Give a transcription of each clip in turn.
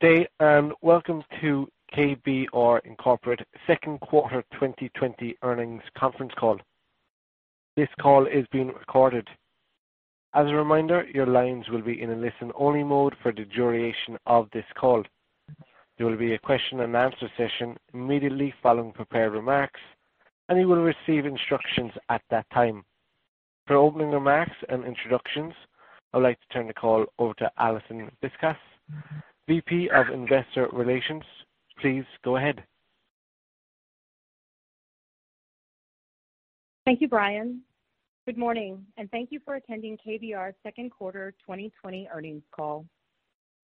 Good day, and welcome to KBR, Inc. second quarter 2020 earnings conference call. This call is being recorded. As a reminder, your lines will be in a listen-only mode for the duration of this call. There will be a question and answer session immediately following prepared remarks, and you will receive instructions at that time. For opening remarks and introductions, I'd like to turn the call over to Alison Viscusi, VP of Investor Relations. Please go ahead. Thank you, Brian. Good morning, and thank you for attending KBR's second quarter 2020 earnings call.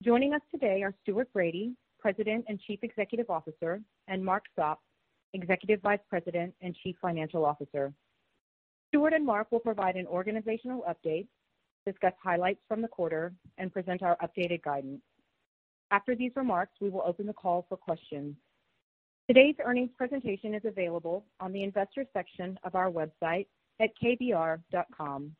Joining us today are Stuart Bradie, President and Chief Executive Officer, and Mark Sopp, Executive Vice President and Chief Financial Officer. Stuart and Mark will provide an organizational update, discuss highlights from the quarter, and present our updated guidance. After these remarks, we will open the call for questions. Today's earnings presentation is available on the Investors section of our website at kbr.com.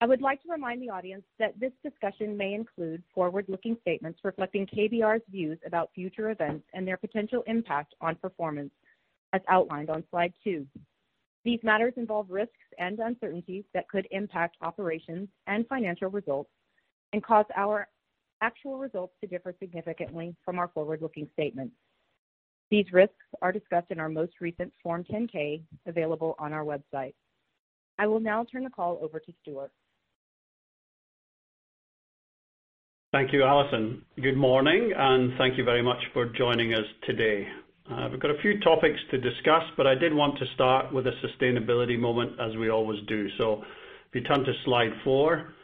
I would like to remind the audience that this discussion may include forward-looking statements reflecting KBR's views about future events and their potential impact on performance, as outlined on slide two. These matters involve risks and uncertainties that could impact operations and financial results and cause our actual results to differ significantly from our forward-looking statements. These risks are discussed in our most recent Form 10-K, available on our website. I will now turn the call over to Stuart. Thank you, Alison. Good morning, and thank you very much for joining us today. We've got a few topics to discuss, but I did want to start with a sustainability moment, as we always do. If you turn to slide four,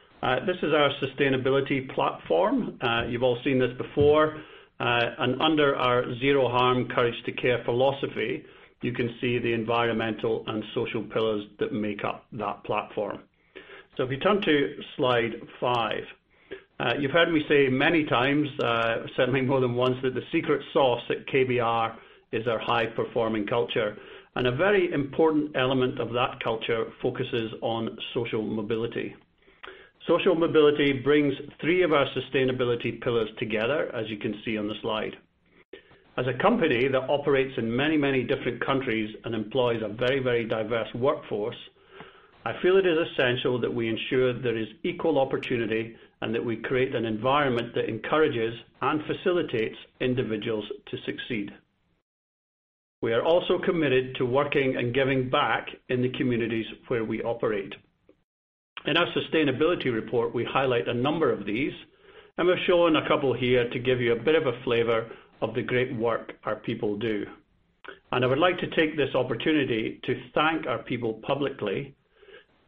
this is our sustainability platform. You've all seen this before. Under our Zero Harm, Courage to Care philosophy, you can see the environmental and social pillars that make up that platform. If you turn to slide five. You've heard me say many times, certainly more than once, that the secret sauce at KBR is our high-performing culture. A very important element of that culture focuses on social mobility. Social mobility brings three of our sustainability pillars together, as you can see on the slide. As a company that operates in many different countries and employs a very diverse workforce, I feel it is essential that we ensure there is equal opportunity and that we create an environment that encourages and facilitates individuals to succeed. We are also committed to working and giving back in the communities where we operate. In our sustainability report, we highlight a number of these, and we're showing a couple here to give you a bit of a flavor of the great work our people do. I would like to take this opportunity to thank our people publicly.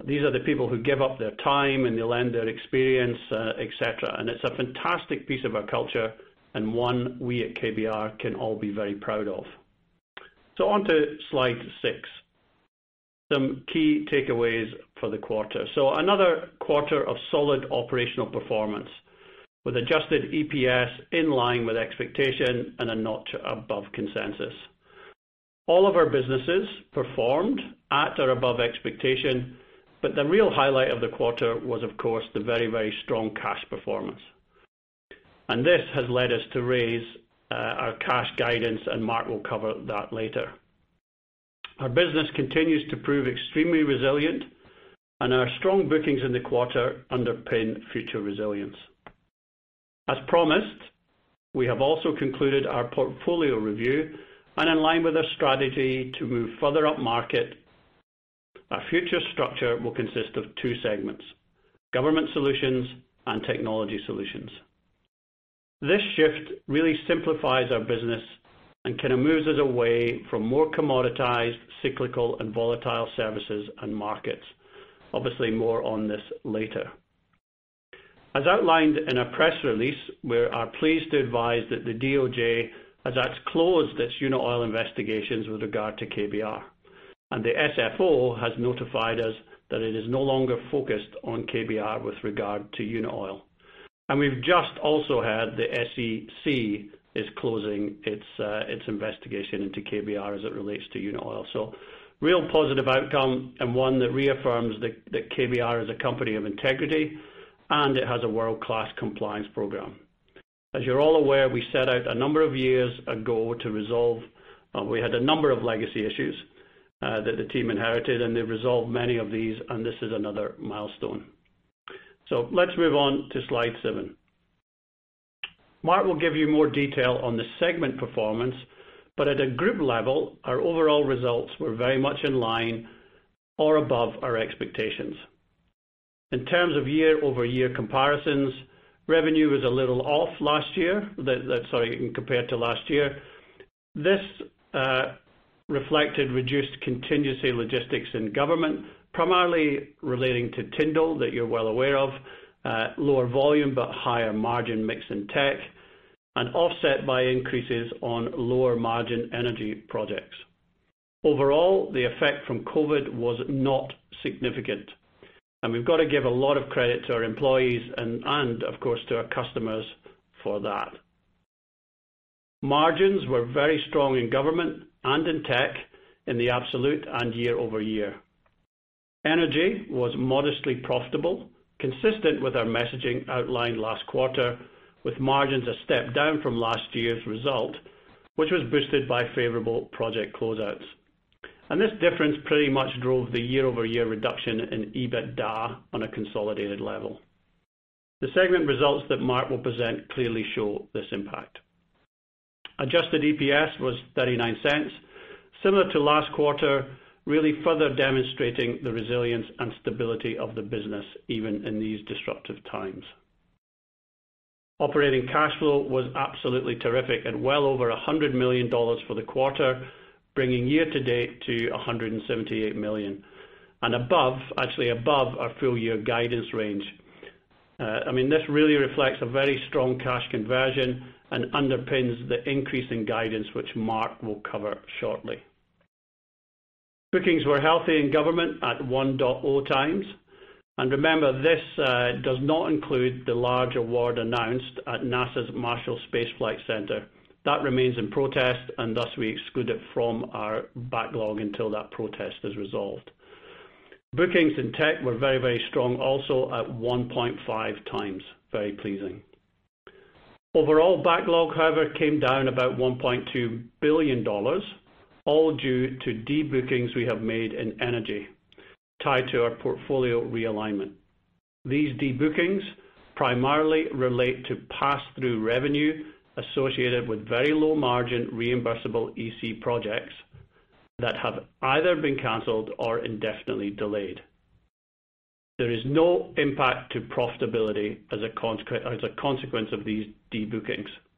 These are the people who give up their time, and they lend their experience, et cetera, and it's a fantastic piece of our culture and one we at KBR can all be very proud of. On to slide six, some key takeaways for the quarter. Another quarter of solid operational performance with adjusted EPS in line with expectation and a notch above consensus. All of our businesses performed at or above expectation, but the real highlight of the quarter was, of course, the very strong cash performance. This has led us to raise our cash guidance, and Mark will cover that later. Our business continues to prove extremely resilient, and our strong bookings in the quarter underpin future resilience. As promised, we have also concluded our portfolio review, and in line with our strategy to move further upmarket, our future structure will consist of two segments, Government Solutions and Technology Solutions. This shift really simplifies our business and kind of moves us away from more commoditized, cyclical, and volatile services and markets. Obviously, more on this later. As outlined in our press release, we are pleased to advise that the DOJ has closed its Unaoil investigations with regard to KBR, and the SFO has notified us that it is no longer focused on KBR with regard to Unaoil. We've just also had the SEC is closing its investigation into KBR as it relates to Unaoil. Real positive outcome and one that reaffirms that KBR is a company of integrity, and it has a world-class compliance program. As you're all aware, we set out a number of years ago to resolve a number of legacy issues that the team inherited, and they've resolved many of these, and this is another milestone. Let's move on to slide seven. Mark will give you more detail on the segment performance, but at a group level, our overall results were very much in line or above our expectations. In terms of year-over-year comparisons, revenue was a little off last year. Sorry, compared to last year. This reflected reduced contingency logistics in Government Solutions, primarily relating to Tyndall that you're well aware of, lower volume but higher margin mix in tech, and offset by increases on lower-margin energy projects. Overall, the effect from COVID was not significant, and we've got to give a lot of credit to our employees and of course to our customers for that. Margins were very strong in Government Solutions and in tech in the absolute and year-over-year. Energy was modestly profitable, consistent with our messaging outlined last quarter, with margins a step down from last year's result, which was boosted by favorable project closeouts. This difference pretty much drove the year-over-year reduction in EBITDA on a consolidated level. The segment results that Mark will present clearly show this impact. Adjusted EPS was $0.39, similar to last quarter, really further demonstrating the resilience and stability of the business even in these disruptive times. Operating cash flow was absolutely terrific at well over $100 million for the quarter, bringing year to date to $178 million, and above, actually above our full-year guidance range. This really reflects a very strong cash conversion and underpins the increase in guidance, which Mark will cover shortly. Bookings were healthy in government at 1.0 times. Remember, this does not include the large award announced at NASA's Marshall Space Flight Center. That remains in protest, and thus we exclude it from our backlog until that protest is resolved. Bookings in tech were very, very strong, also at 1.5 times. Very pleasing. Overall backlog, however, came down about $1.2 billion, all due to debookings we have made in energy tied to our portfolio realignment. These debookings primarily relate to pass-through revenue associated with very low-margin reimbursable EPC projects that have either been canceled or indefinitely delayed. There is no impact to profitability as a consequence of these debookings. The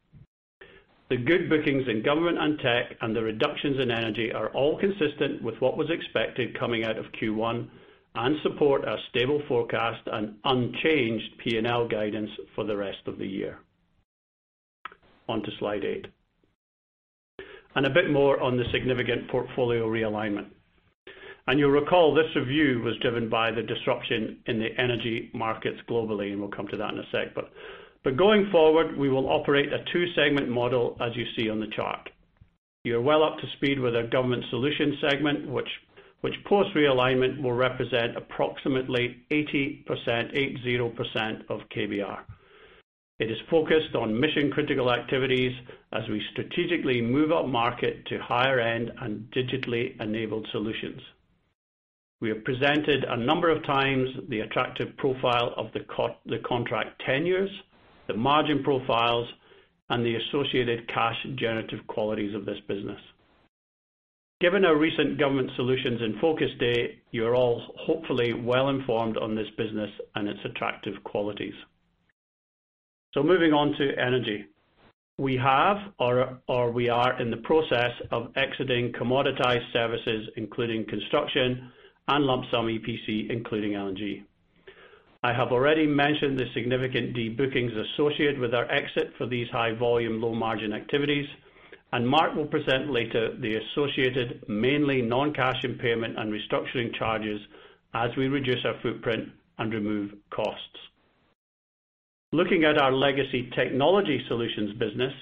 good bookings in government and tech and the reductions in energy are all consistent with what was expected coming out of Q1 and support our stable forecast and unchanged P&L guidance for the rest of the year. On to slide eight. A bit more on the significant portfolio realignment. You'll recall this review was driven by the disruption in the energy markets globally, and we'll come to that in a sec. Going forward, we will operate a two-segment model as you see on the chart. You're well up to speed with our Government Solutions segment, which post-realignment will represent approximately 80% of KBR. It is focused on mission-critical activities as we strategically move upmarket to higher end and digitally enabled solutions. We have presented a number of times the attractive profile of the contract tenures, the margin profiles, and the associated cash generative qualities of this business. Given our recent Government Solutions In Focus Day, you're all hopefully well-informed on this business and its attractive qualities. Moving on to energy. We have or we are in the process of exiting commoditized services, including construction and lump sum EPC, including LNG. I have already mentioned the significant debookings associated with our exit for these high volume, low-margin activities, and Mark will present later the associated mainly non-cash impairment and restructuring charges as we reduce our footprint and remove costs. Looking at our legacy Technology Solutions business,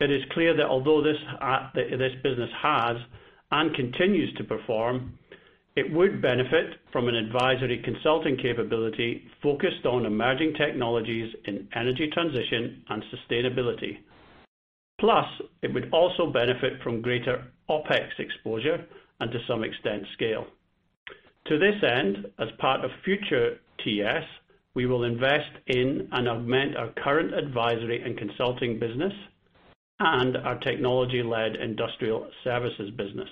it is clear that although this business has and continues to perform, it would benefit from an advisory consulting capability focused on emerging technologies in energy transition and sustainability. Plus, it would also benefit from greater OpEx exposure and to some extent, scale. To this end, as part of future TS, we will invest in and augment our current advisory and consulting business and our technology-led industrial services business.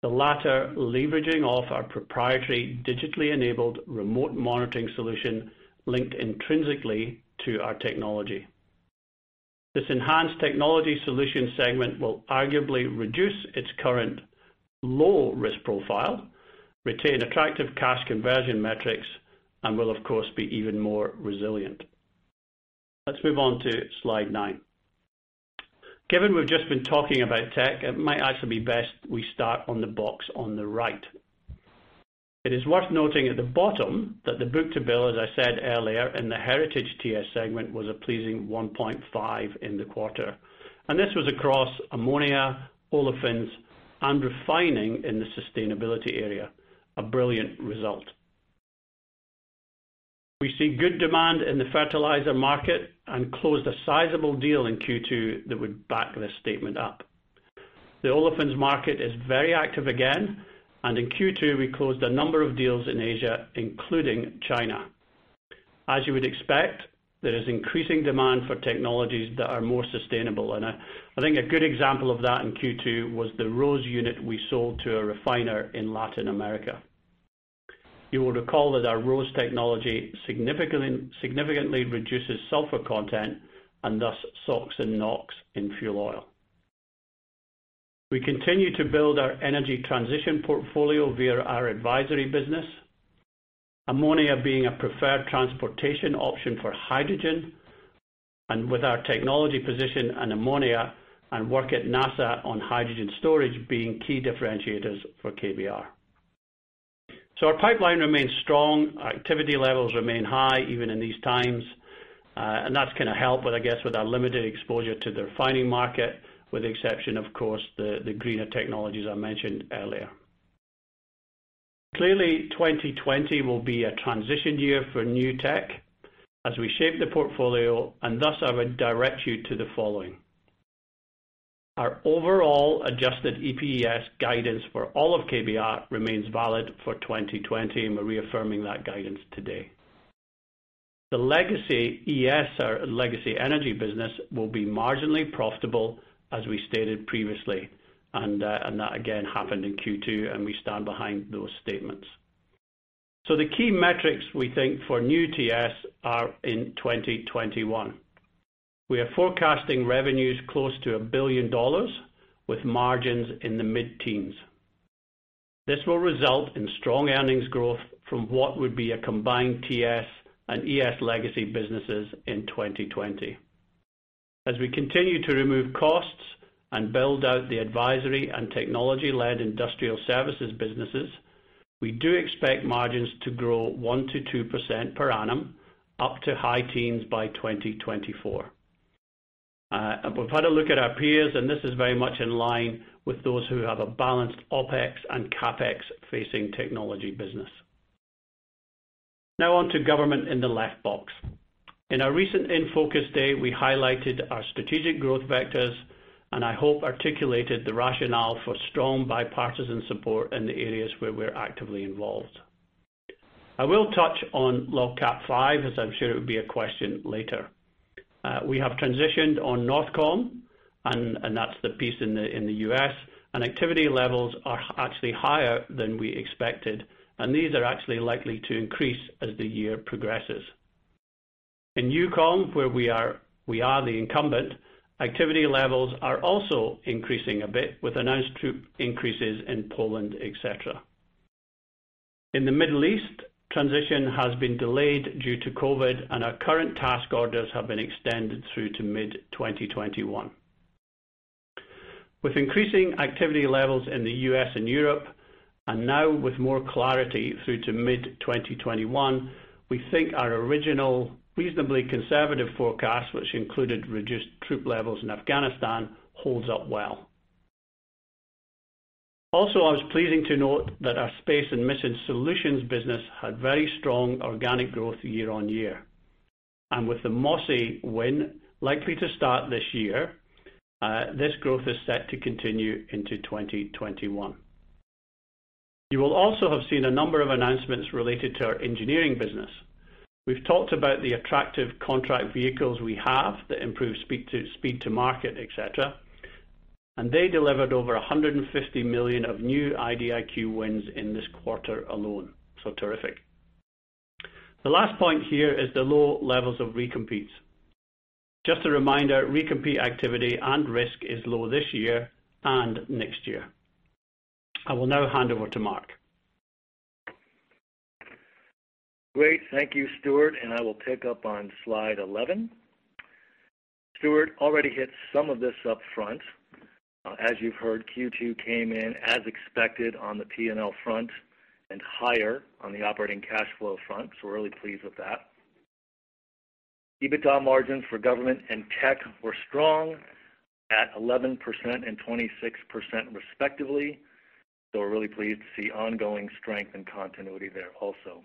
The latter leveraging off our proprietary digitally enabled remote monitoring solution linked intrinsically to our technology. This enhanced Technology Solutions segment will arguably reduce its current low-risk profile, retain attractive cash conversion metrics, and will, of course, be even more resilient. Let's move on to slide nine. Given we've just been talking about tech, it might actually be best we start on the box on the right. It is worth noting at the bottom that the book-to-bill, as I said earlier, in the heritage TS segment, was a pleasing 1.5 in the quarter. This was across ammonia, olefins, and refining in the sustainability area. A brilliant result. We see good demand in the fertilizer market and closed a sizable deal in Q2 that would back this statement up. The olefins market is very active again, and in Q2, we closed a number of deals in Asia, including China. As you would expect, there is increasing demand for technologies that are more sustainable. I think a good example of that in Q2 was the ROSE unit we sold to a refiner in Latin America. You will recall that our ROSE technology significantly reduces sulfur content and thus SOx and NOx in fuel oil. We continue to build our energy transition portfolio via our advisory business, ammonia being a preferred transportation option for hydrogen, and with our technology position and ammonia and work at NASA on hydrogen storage being key differentiators for KBR. Our pipeline remains strong. Activity levels remain high even in these times, and that's going to help with, I guess, our limited exposure to the refining market, with the exception, of course, the greener technologies I mentioned earlier. Clearly, 2020 will be a transition year for new tech as we shape the portfolio, and thus I would direct you to the following. Our overall adjusted EPS guidance for all of KBR remains valid for 2020, and we're reaffirming that guidance today. The legacy ES, our legacy energy business, will be marginally profitable as we stated previously, and that again happened in Q2, and we stand behind those statements. The key metrics we think for new TS are in 2021. We are forecasting revenues close to $1 billion with margins in the mid-teens. This will result in strong earnings growth from what would be a combined TS and ES legacy businesses in 2020. As we continue to remove costs and build out the advisory and technology-led industrial services businesses, we do expect margins to grow 1%-2% per annum up to high teens by 2024. We've had a look at our peers, and this is very much in line with those who have a balanced OpEx and CapEx-facing technology business. Now on to government in the left box. In our recent In Focus Day, we highlighted our strategic growth vectors and I hope articulated the rationale for strong bipartisan support in the areas where we're actively involved. I will touch on LOGCAP V, as I'm sure it would be a question later. We have transitioned on NORTHCOM, and that's the piece in the U.S., and activity levels are actually higher than we expected, and these are actually likely to increase as the year progresses. In EUCOM, where we are the incumbent, activity levels are also increasing a bit with announced troop increases in Poland, et cetera. In the Middle East, transition has been delayed due to COVID, and our current task orders have been extended through to mid-2021. With increasing activity levels in the U.S. and Europe, and now with more clarity through to mid-2021, we think our original reasonably conservative forecast, which included reduced troop levels in Afghanistan, holds up well. Also, I was pleased to note that our space and mission solutions business had very strong organic growth year-over-year. With the MOSS-A win likely to start this year, this growth is set to continue into 2021. You will also have seen a number of announcements related to our engineering business. We've talked about the attractive contract vehicles we have that improve speed to market, et cetera, and they delivered over $150 million of new IDIQ wins in this quarter alone. Terrific. The last point here is the low levels of recompetes. Just a reminder, recompete activity and risk is low this year and next year. I will now hand over to Mark. Great. Thank you, Stuart, I will pick up on slide 11. Stuart already hit some of this up front. As you've heard, Q2 came in as expected on the P&L front and higher on the operating cash flow front, we're really pleased with that. EBITDA margins for government and tech were strong at 11% and 26% respectively. We're really pleased to see ongoing strength and continuity there also.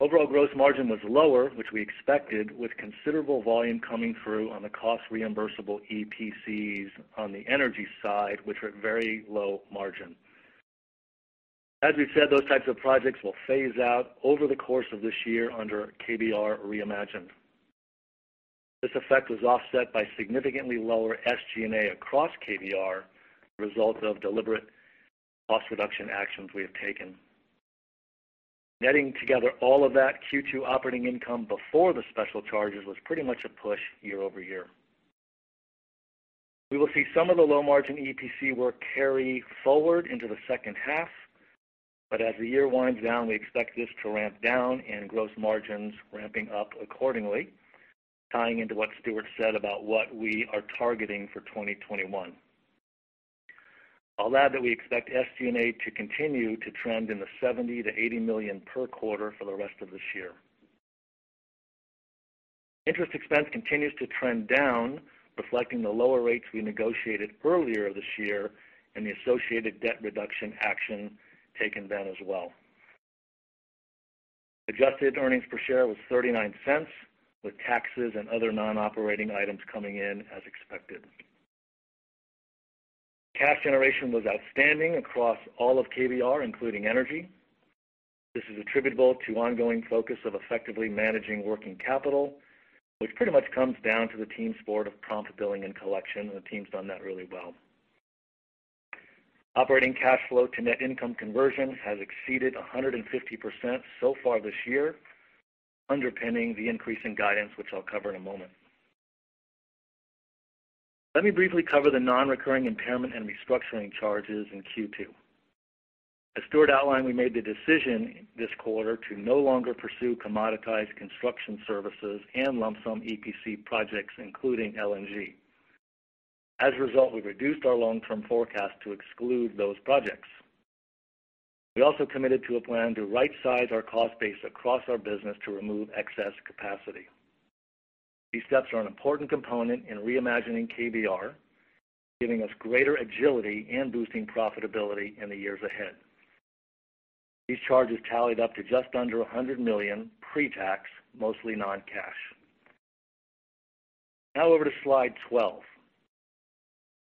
Overall, gross margin was lower, which we expected, with considerable volume coming through on the cost-reimbursable EPCs on the energy side, which were at very low margin. As we've said, those types of projects will phase out over the course of this year under KBR Reimagined. This effect was offset by significantly lower SG&A across KBR, a result of deliberate cost reduction actions we have taken. Netting together all of that Q2 operating income before the special charges was pretty much a push year-over-year. We will see some of the low-margin EPC work carry forward into the second half, as the year winds down, we expect this to ramp down and gross margins ramping up accordingly, tying into what Stuart said about what we are targeting for 2021. I'll add that we expect SG&A to continue to trend in the $70 million-$80 million per quarter for the rest of this year. Interest expense continues to trend down, reflecting the lower rates we negotiated earlier this year and the associated debt reduction action taken then as well. Adjusted earnings per share was $0.39, with taxes and other non-operating items coming in as expected. Cash generation was outstanding across all of KBR, including energy. This is attributable to ongoing focus of effectively managing working capital, which pretty much comes down to the team sport of prompt billing and collection. The team's done that really well. Operating cash flow to net income conversion has exceeded 150% so far this year, underpinning the increase in guidance, which I'll cover in a moment. Let me briefly cover the non-recurring impairment and restructuring charges in Q2. Stuart outlined, we made the decision this quarter to no longer pursue commoditized construction services and lump-sum EPC projects, including LNG. As a result, we've reduced our long-term forecast to exclude those projects. We also committed to a plan to right-size our cost base across our business to remove excess capacity. These steps are an important component in reimagining KBR, giving us greater agility and boosting profitability in the years ahead. These charges tallied up to just under $100 million pre-tax, mostly non-cash. Over to slide 12.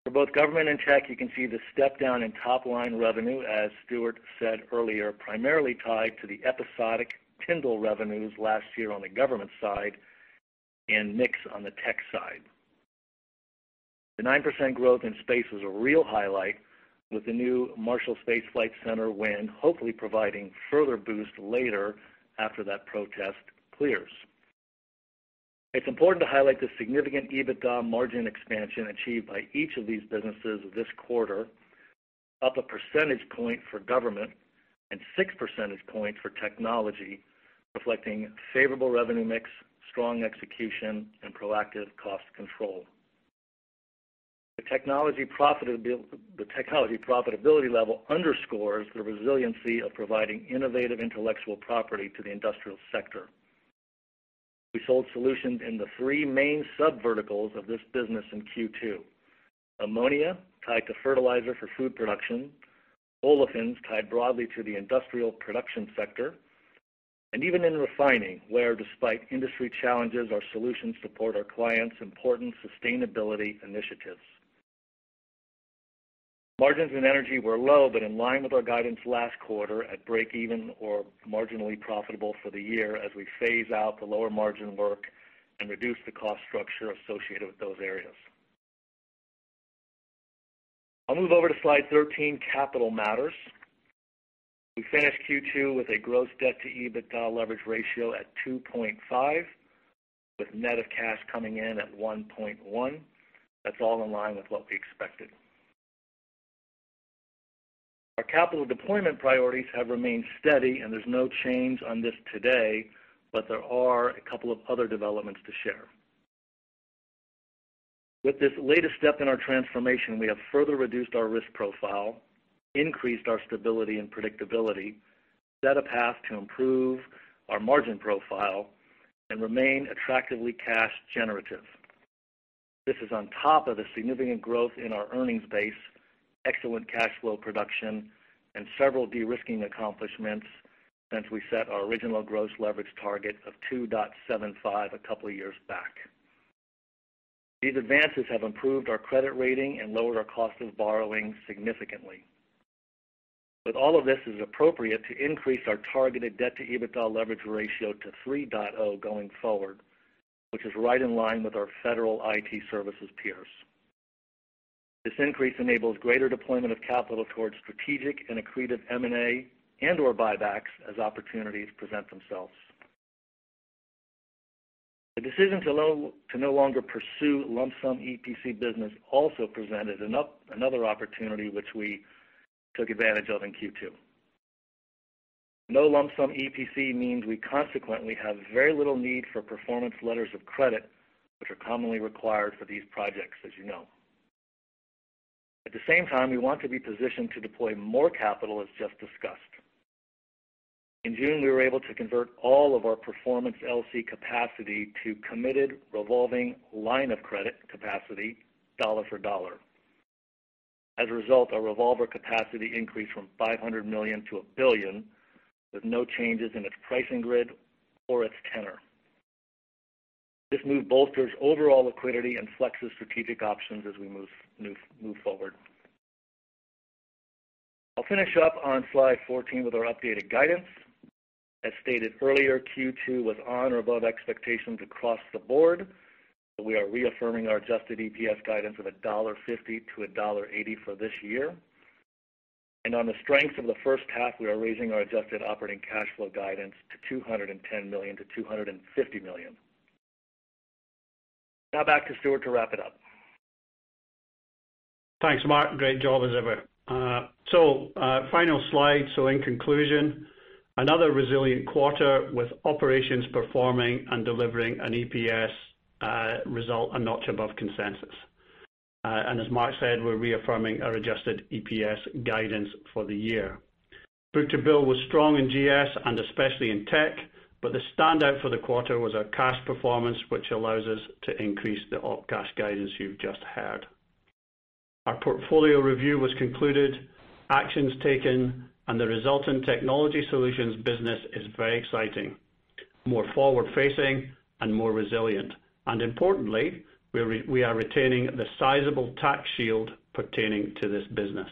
For both government and tech, you can see the step-down in top-line revenue, as Stuart said earlier, primarily tied to the episodic Tyndall revenues last year on the government side, and mix on the tech side. The 9% growth in space was a real highlight with the new Marshall Space Flight Center win, hopefully providing further boost later after that protest clears. It's important to highlight the significant EBITDA margin expansion achieved by each of these businesses this quarter, up a percentage point for government and six percentage points for technology, reflecting favorable revenue mix, strong execution, and proactive cost control. The technology profitability level underscores the resiliency of providing innovative intellectual property to the industrial sector. We sold solutions in the three main sub-verticals of this business in Q2. Ammonia, tied to fertilizer for food production, olefins, tied broadly to the industrial production sector, and even in refining, where, despite industry challenges, our solutions support our clients' important sustainability initiatives. Margins in energy were low, but in line with our guidance last quarter at break even or marginally profitable for the year as we phase out the lower-margin work and reduce the cost structure associated with those areas. I'll move over to slide 13, capital matters. We finished Q2 with a gross debt to EBITDA leverage ratio at 2.5 with net of cash coming in at 1.1. That's all in line with what we expected. Our capital deployment priorities have remained steady, and there's no change on this today, but there are a couple of other developments to share. With this latest step in our transformation, we have further reduced our risk profile, increased our stability and predictability, set a path to improve our margin profile, and remain attractively cash generative. This is on top of the significant growth in our earnings base, excellent cash flow production, and several de-risking accomplishments since we set our original gross leverage target of 2.75 a couple of years back. These advances have improved our credit rating and lowered our cost of borrowing significantly. With all of this, it's appropriate to increase our targeted debt to EBITDA leverage ratio to 3.0 going forward, which is right in line with our federal IT services peers. This increase enables greater deployment of capital towards strategic and accretive M&A and/or buybacks as opportunities present themselves. The decision to no longer pursue lump-sum EPC business also presented another opportunity which we took advantage of in Q2. No lump-sum EPC means we consequently have very little need for performance letters of credit, which are commonly required for these projects, as you know. At the same time, we want to be positioned to deploy more capital, as just discussed. In June, we were able to convert all of our performance LC capacity to committed revolving line of credit capacity, dollar for dollar. As a result, our revolver capacity increased from $500 million to $1 billion, with no changes in its pricing grid or its tenor. This move bolsters overall liquidity and flexes strategic options as we move forward. I'll finish up on slide 14 with our updated guidance. As stated earlier, Q2 was on or above expectations across the board. We are reaffirming our adjusted EPS guidance of $1.50 to $1.80 for this year. On the strength of the first half, we are raising our adjusted operating cash flow guidance to $210 million-$250 million. Back to Stuart to wrap it up. Thanks, Mark. Great job as ever. Final slide. In conclusion, another resilient quarter with operations performing and delivering an EPS result a notch above consensus. As Mark said, we're reaffirming our adjusted EPS guidance for the year. Book-to-bill was strong in GS and especially in tech, but the standout for the quarter was our cash performance, which allows us to increase the op cash guidance you've just heard. Our portfolio review was concluded, actions taken, and the result in Technology Solutions business is very exciting, more forward-facing and more resilient. Importantly, we are retaining the sizable tax shield pertaining to this business.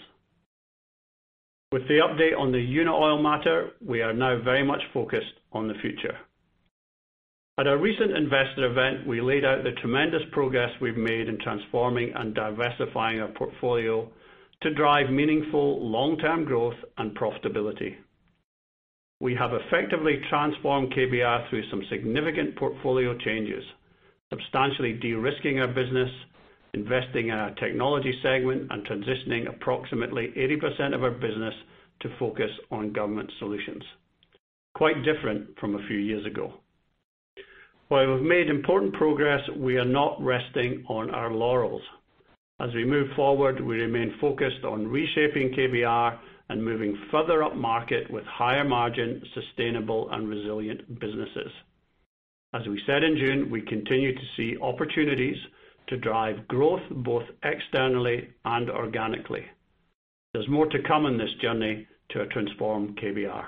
With the update on the Unaoil matter, we are now very much focused on the future. At our recent investor event, we laid out the tremendous progress we've made in transforming and diversifying our portfolio to drive meaningful long-term growth and profitability. We have effectively transformed KBR through some significant portfolio changes, substantially de-risking our business, investing in our technology segment, and transitioning approximately 80% of our business to focus on Government Solutions. Quite different from a few years ago. While we've made important progress, we are not resting on our laurels. We move forward, we remain focused on reshaping KBR and moving further upmarket with higher margin, sustainable, and resilient businesses. We said in June, we continue to see opportunities to drive growth both externally and organically. There's more to come on this journey to a transformed KBR.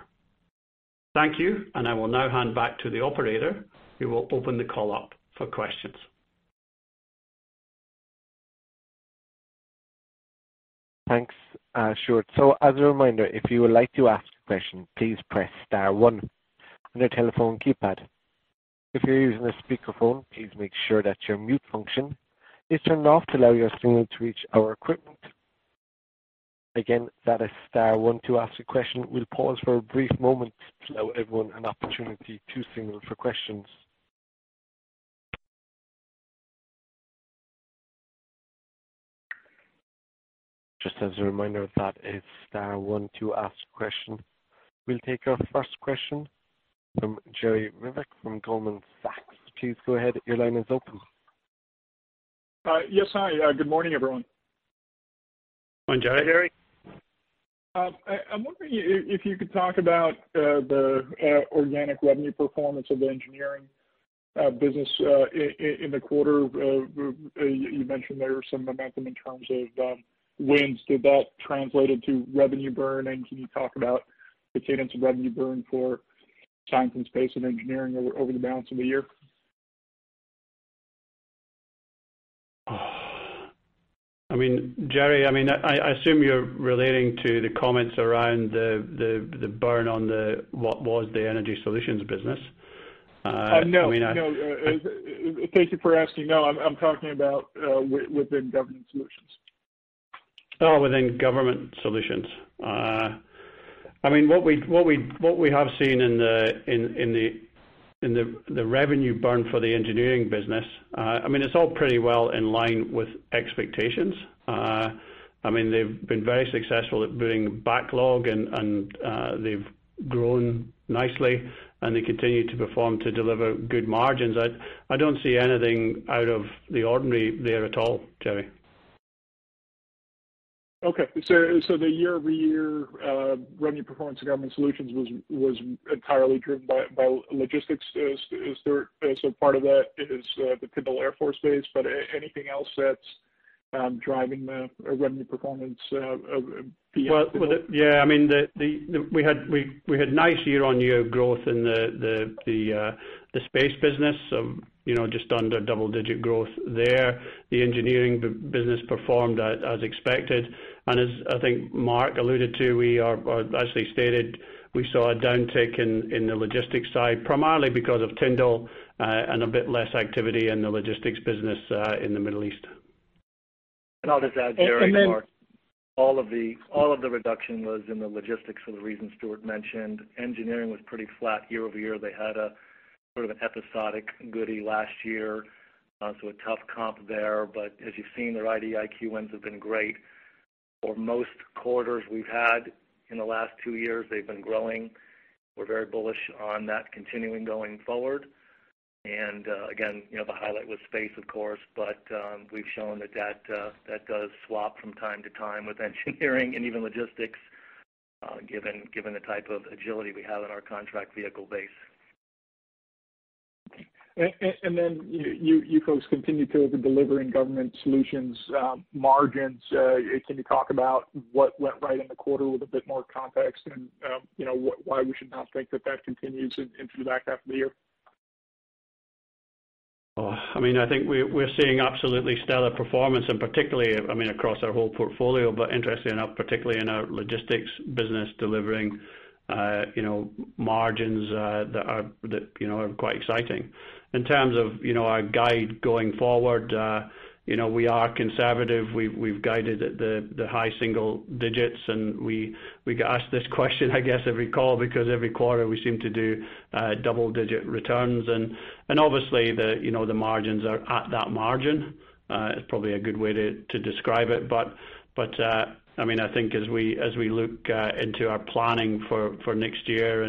Thank you. I will now hand back to the operator, who will open the call up for questions. Thanks, Stuart. As a reminder, if you would like to ask a question, please press star one on your telephone keypad. If you're using a speakerphone, please make sure that your mute function is turned off to allow your signal to reach our equipment. Again, that is star one to ask a question. We'll pause for a brief moment to allow everyone an opportunity to signal for questions. Just as a reminder of that, it's star one to ask a question. We'll take our first question from Jerry Revich from Goldman Sachs. Please go ahead, your line is open. Yes, hi. Good morning, everyone. Good morning, Jerry. I'm wondering if you could talk about the organic revenue performance of the engineering business in the quarter. You mentioned there was some momentum in terms of wins. Did that translate into revenue burn? Can you talk about the cadence of revenue burn for Science and Space and engineering over the balance of the year? Jerry, I assume you're relating to the comments around the burn on what was the energy solutions business. No. I mean. Thank you for asking. No, I'm talking about within Government Solutions. Oh, within Government Solutions. What we have seen in the revenue burn for the engineering business, it's all pretty well in line with expectations. They've been very successful at building backlog, and they've grown nicely, and they continue to perform to deliver good margins. I don't see anything out of the ordinary there at all, Jerry. Okay. The year-over-year revenue performance of Government Solutions was entirely driven by logistics. Part of that is the Tyndall Air Force Base. Yeah. We had nice year-on-year growth in the Science and Space business, just under double-digit growth there. The engineering business performed as expected, and as I think Mark alluded to, or as he stated, we saw a downtick in the logistics side, primarily because of Tyndall, and a bit less activity in the logistics business in the Middle East. I'll just add, Jerry and Mark. And then- All of the reduction was in the logistics for the reasons Stuart mentioned. Engineering was pretty flat year-over-year. They had sort of an episodic goodie last year, so a tough comp there. As you've seen, their IDIQ wins have been great. For most quarters we've had in the last 2 years, they've been growing. We're very bullish on that continuing going forward. Again, the highlight was Science and Space, of course, but we've shown that that does swap from time to time with engineering and even logistics, given the type of agility we have in our contract vehicle base. You folks continue to deliver in Government Solutions margins. Can you talk about what went right in the quarter with a bit more context and why we should now think that that continues into the back half of the year? I think we're seeing absolutely stellar performance, particularly across our whole portfolio, but interestingly enough, particularly in our logistics business, delivering margins that are quite exciting. In terms of our guide going forward, we are conservative. We've guided at the high single digits, we get asked this question, I guess, every call because every quarter we seem to do double-digit returns. Obviously the margins are at that margin. It's probably a good way to describe it. I think as we look into our planning for next year,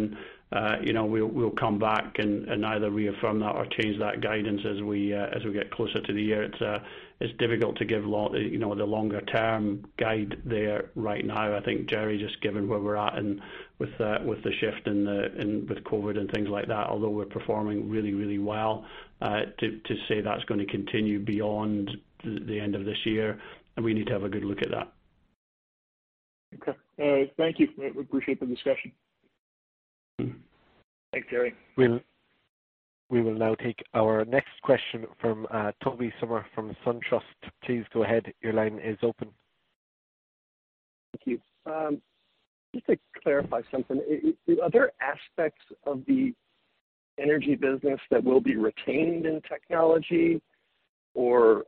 we'll come back and either reaffirm that or change that guidance as we get closer to the year. It's difficult to give the longer-term guide there right now. I think, Jerry, just given where we're at with the shift with COVID and things like that, although we're performing really well, to say that's going to continue beyond the end of this year, we need to have a good look at that. Okay. Thank you. We appreciate the discussion. Thanks, Jerry. We will now take our next question from Tobey Sommer from SunTrust. Please go ahead. Your line is open. Thank you. Just to clarify something, are there aspects of the energy business that will be retained in technology or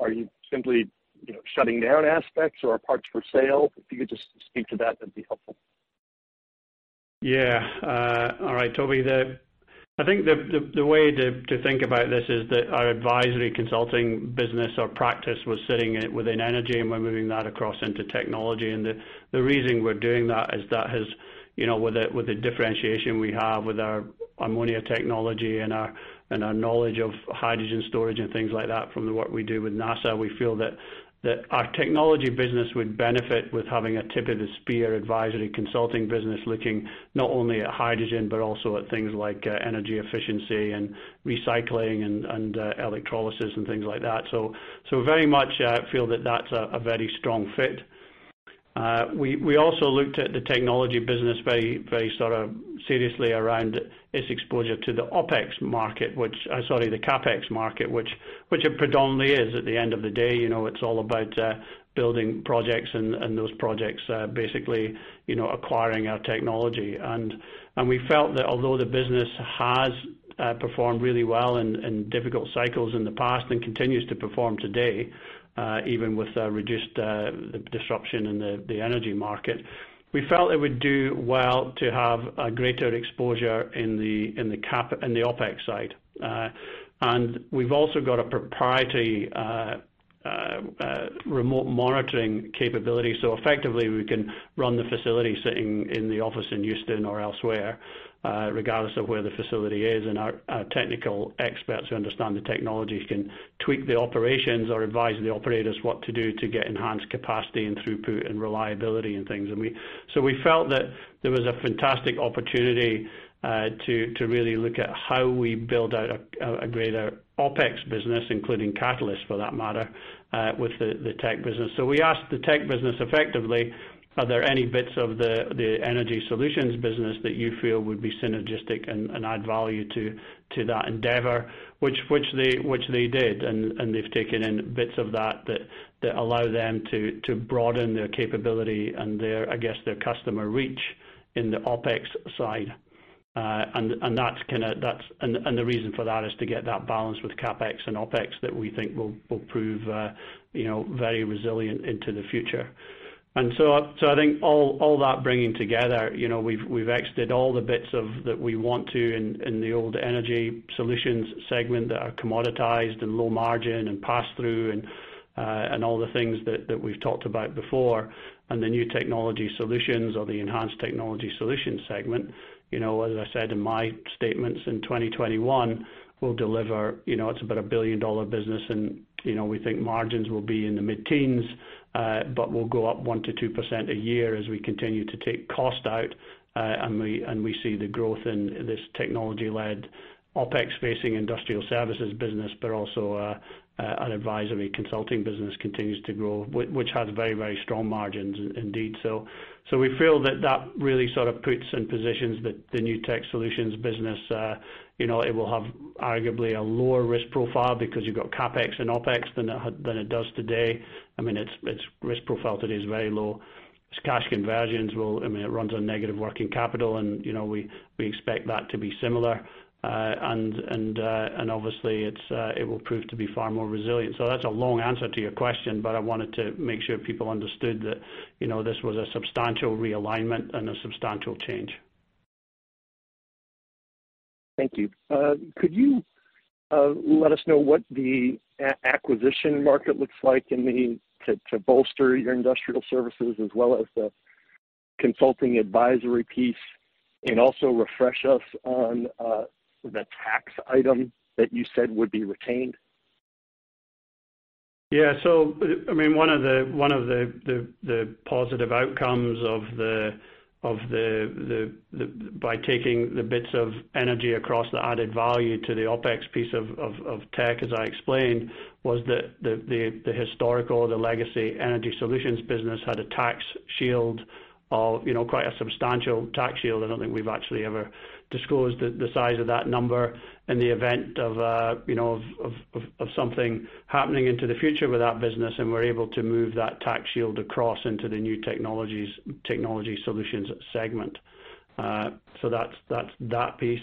are you simply shutting down aspects or are parts for sale? If you could just speak to that'd be helpful. Yeah. All right, Tobey I think the way to think about this is that our advisory consulting business or practice was sitting within energy, and we're moving that across into technology. The reason we're doing that is that with the differentiation we have with our ammonia technology and our knowledge of hydrogen storage and things like that from the work we do with NASA, we feel that our technology business would benefit with having a tip-of-the-spear advisory consulting business looking not only at hydrogen, but also at things like energy efficiency and recycling and electrolysis and things like that. Very much feel that that's a very strong fit. We also looked at the technology business very sort of seriously around its exposure to the OpEx market, Sorry, the CapEx market, which it predominantly is. We felt that although the business has performed really well in difficult cycles in the past and continues to perform today, even with reduced disruption in the energy market, we felt it would do well to have a greater exposure in the OpEx side. We've also got a proprietary remote monitoring capability. Effectively, we can run the facility sitting in the office in Houston or elsewhere, regardless of where the facility is. Our technical experts who understand the technology can tweak the operations or advise the operators what to do to get enhanced capacity and throughput and reliability and things. We felt that there was a fantastic opportunity to really look at how we build out a greater OpEx business, including catalyst, for that matter, with the tech business. We asked the tech business effectively, are there any bits of the Energy Solutions business that you feel would be synergistic and add value to that endeavor? Which they did. They've taken in bits of that allow them to broaden their capability and their, I guess, their customer reach in the OpEx side. The reason for that is to get that balance with CapEx and OpEx that we think will prove very resilient into the future. I think all that bringing together, we've exited all the bits that we want to in the old Energy Solutions segment that are commoditized and low margin and pass through and all the things that we've talked about before, and the new Technology Solutions or the enhanced Technology Solutions segment. As I said in my statements in 2021, we'll deliver, it's about a $1 billion business, and we think margins will be in the mid-teens, but will go up 1%-2% a year as we continue to take cost out. We see the growth in this technology-led OpEx-facing industrial services business, but also an advisory consulting business continues to grow, which has very, very strong margins indeed. We feel that that really sort of puts and positions the new tech solutions business. It will have arguably a lower risk profile because you've got CapEx and OpEx than it does today. Its risk profile today is very low. It runs on negative working capital, and we expect that to be similar. Obviously, it will prove to be far more resilient. That's a long answer to your question, I wanted to make sure people understood that this was a substantial realignment and a substantial change. Thank you. Could you let us know what the acquisition market looks like to bolster your industrial services as well as the consulting advisory piece, and also refresh us on the tax item that you said would be retained? Yeah. One of the positive outcomes by taking the bits of energy across the added value to the OpEx piece of tech, as I explained, was that the historical, the legacy energy solutions business had a tax shield of quite a substantial tax shield. I don't think we've actually ever disclosed the size of that number in the event of something happening into the future with that business. We're able to move that tax shield across into the new Technology Solutions segment. That's that piece.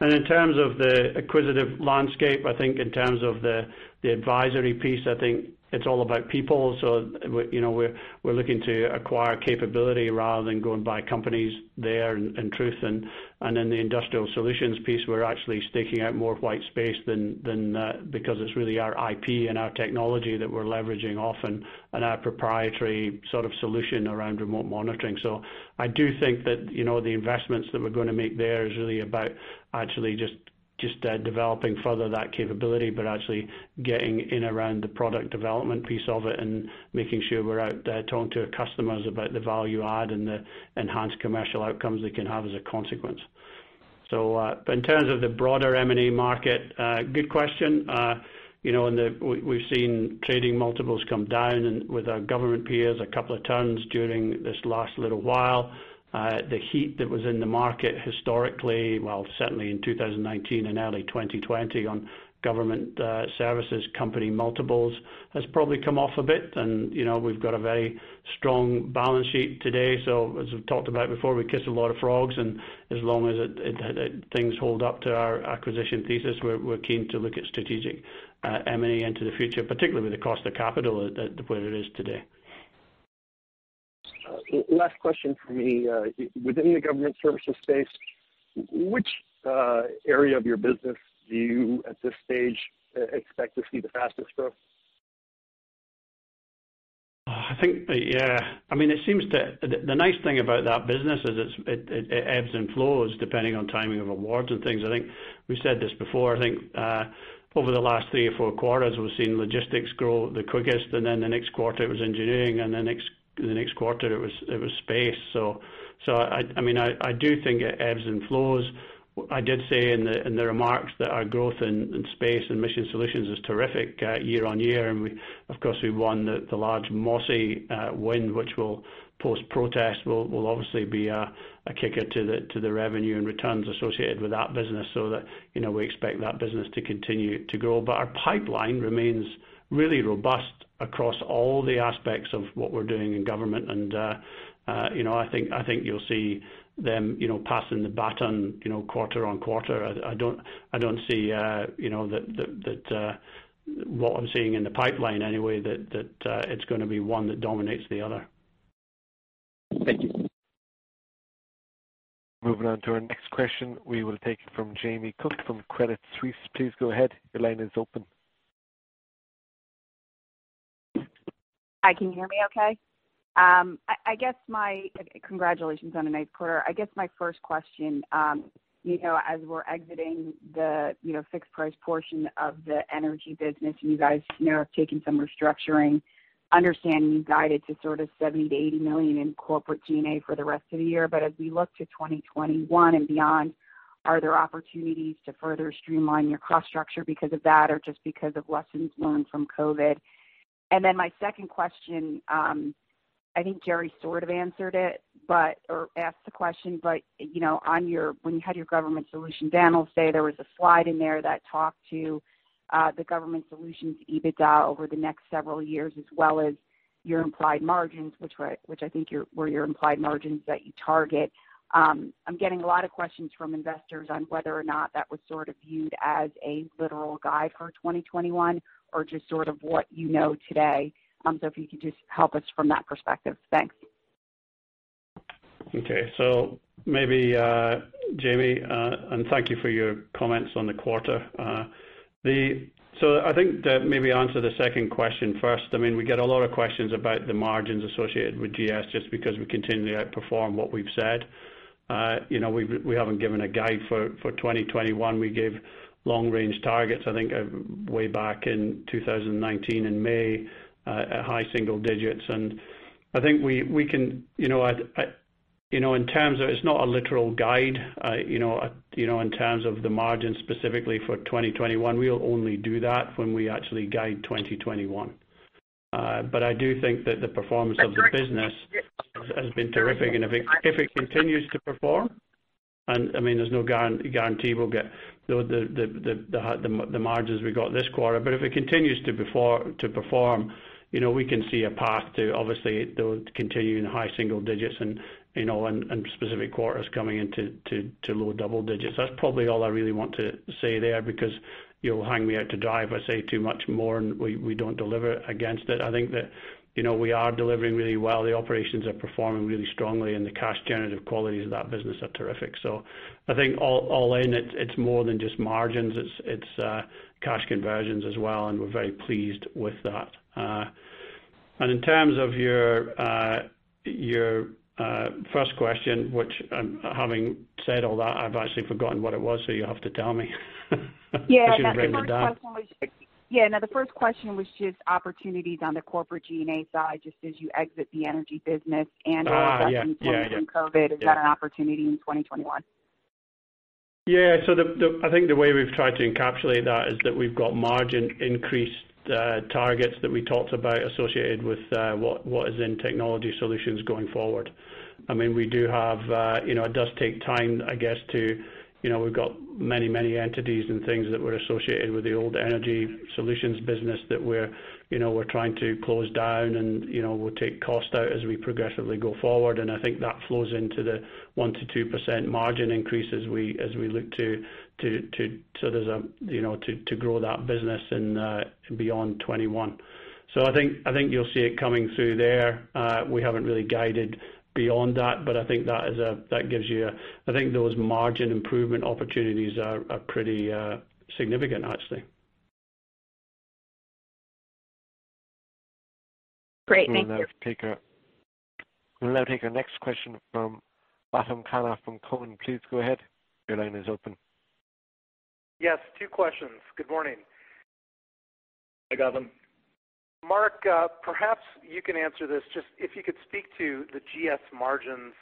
In terms of the acquisitive landscape, I think in terms of the advisory piece, I think it's all about people. We're looking to acquire capability rather than going by companies there in truth. The industrial solutions piece, we're actually staking out more white space than that because it's really our IP and our technology that we're leveraging off and our proprietary sort of solution around remote monitoring. I do think that the investments that we're going to make there is really about actually just developing further that capability, but actually getting in around the product development piece of it and making sure we're out there talking to customers about the value add and the enhanced commercial outcomes they can have as a consequence. In terms of the broader M&A market, good question. We've seen trading multiples come down, and with our government peers a couple of times during this last little while. The heat that was in the market historically, well, certainly in 2019 and early 2020 on government services company multiples, has probably come off a bit. We've got a very strong balance sheet today. As we've talked about before, we kiss a lot of frogs, and as long as things hold up to our acquisition thesis, we're keen to look at strategic M&A into the future, particularly with the cost of capital where it is today. Last question for me. Within the government services space, which area of your business do you, at this stage, expect to see the fastest growth? The nice thing about that business is it ebbs and flows depending on timing of awards and things. I think we said this before. I think over the last three or four quarters, we've seen logistics grow the quickest, and then the next quarter it was Space. I do think it ebbs and flows. I did say in the remarks that our growth in Space and Mission Solutions is terrific year-on-year, and of course, we won the large MOSI win, which will, post protest, will obviously be a kicker to the revenue and returns associated with that business. We expect that business to continue to grow. Our pipeline remains really robust across all the aspects of what we're doing in government, and I think you'll see them passing the baton quarter-on-quarter. I don't see that what I'm seeing in the pipeline, anyway, that it's going to be one that dominates the other. Thank you. Moving on to our next question, we will take it from Jamie Cook from Credit Suisse. Please go ahead. Your line is open. Hi, can you hear me okay? Congratulations on a nice quarter. I guess my first question, as we're exiting the fixed price portion of the energy business and you guys have taken some restructuring, understanding you guided to sort of $70 million-$80 million in corporate G&A for the rest of the year, but as we look to 2021 and beyond, are there opportunities to further streamline your cost structure because of that, or just because of lessons learned from COVID? My second question, I think Jerry sort of answered it, or asked the question, but when you had your Government Solutions panel today, there was a slide in there that talked to the Government Solutions EBITDA over the next several years, as well as your implied margins, which I think were your implied margins that you target. I'm getting a lot of questions from investors on whether or not that was sort of viewed as a literal guide for 2021 or just sort of what you know today. If you could just help us from that perspective. Thanks. Okay. Maybe, Jamie, thank you for your comments on the quarter. I think to maybe answer the second question first, we get a lot of questions about the margins associated with GS, just because we continually outperform what we've said. We haven't given a guide for 2021. We gave long range targets, I think way back in 2019 in May, at high single digits. I think it's not a literal guide, in terms of the margins specifically for 2021. We'll only do that when we actually guide 2021. I do think that the performance of the business has been terrific, and if it continues to perform, and there's no guarantee we'll get the margins we got this quarter, but if it continues to perform, we can see a path to obviously those continuing high single digits and specific quarters coming into low double digits. That's probably all I really want to say there, because you'll hang me out to dry if I say too much more and we don't deliver against it. I think that we are delivering really well. The operations are performing really strongly, and the cash generative qualities of that business are terrific. I think all in, it's more than just margins, it's cash conversions as well, and we're very pleased with that. In terms of your first question, which having said all that, I've actually forgotten what it was, so you'll have to tell me. I shouldn't write them down. Yeah, no, the first question was just opportunities on the corporate G&A side, just as you exit the energy business and- Yeah. lessons learned from COVID, is that an opportunity in 2021? Yeah. I think the way we've tried to encapsulate that is that we've got margin increase targets that we talked about associated with what is in Technology Solutions going forward. It does take time, I guess, we've got many, many entities and things that were associated with the old Energy Solutions business that we're trying to close down and we'll take cost out as we progressively go forward. I think that flows into the 1%-2% margin increase as we look to grow that business and beyond 2021. I think you'll see it coming through there. We haven't really guided beyond that, but I think those margin improvement opportunities are pretty significant, actually. Great. Thank you. We'll now take our next question from Gautam Khanna from Cowen. Please go ahead. Your line is open. Yes, two questions. Good morning. Hey, Gautam. Mark, perhaps you can answer this, just if you could speak to the GS margins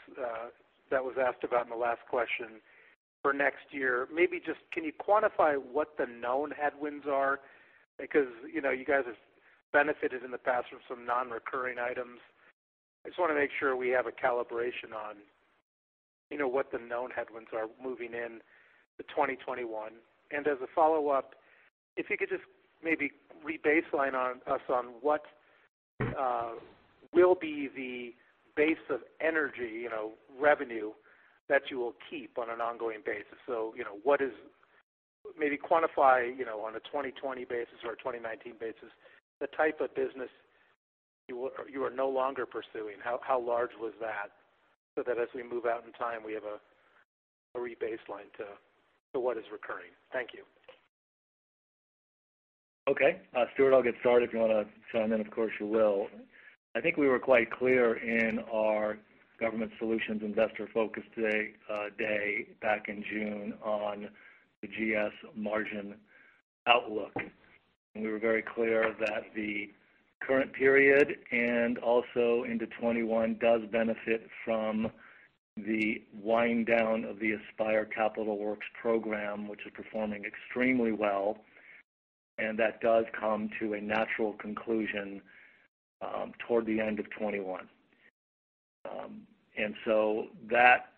that was asked about in the last question for next year. Maybe just can you quantify what the known headwinds are? Because you guys have benefited in the past from some non-recurring items. I just want to make sure we have a calibration on what the known headwinds are moving into 2021. As a follow-up, if you could just maybe re-baseline us on what will be the base of energy revenue that you will keep on an ongoing basis. What is Maybe quantify, on a 2020 basis or a 2019 basis, the type of business you are no longer pursuing. How large was that? That as we move out in time, we have a re-baseline to what is recurring. Thank you. Okay. Stuart, I'll get started. You want to chime in, of course you will. I think we were quite clear in our Government Solutions In Focus Day back in June on the GS margin outlook. We were very clear that the current period and also into 2021 does benefit from the wind down of the Aspire Defence Capital Works program, which is performing extremely well, and that does come to a natural conclusion toward the end of 2021. So that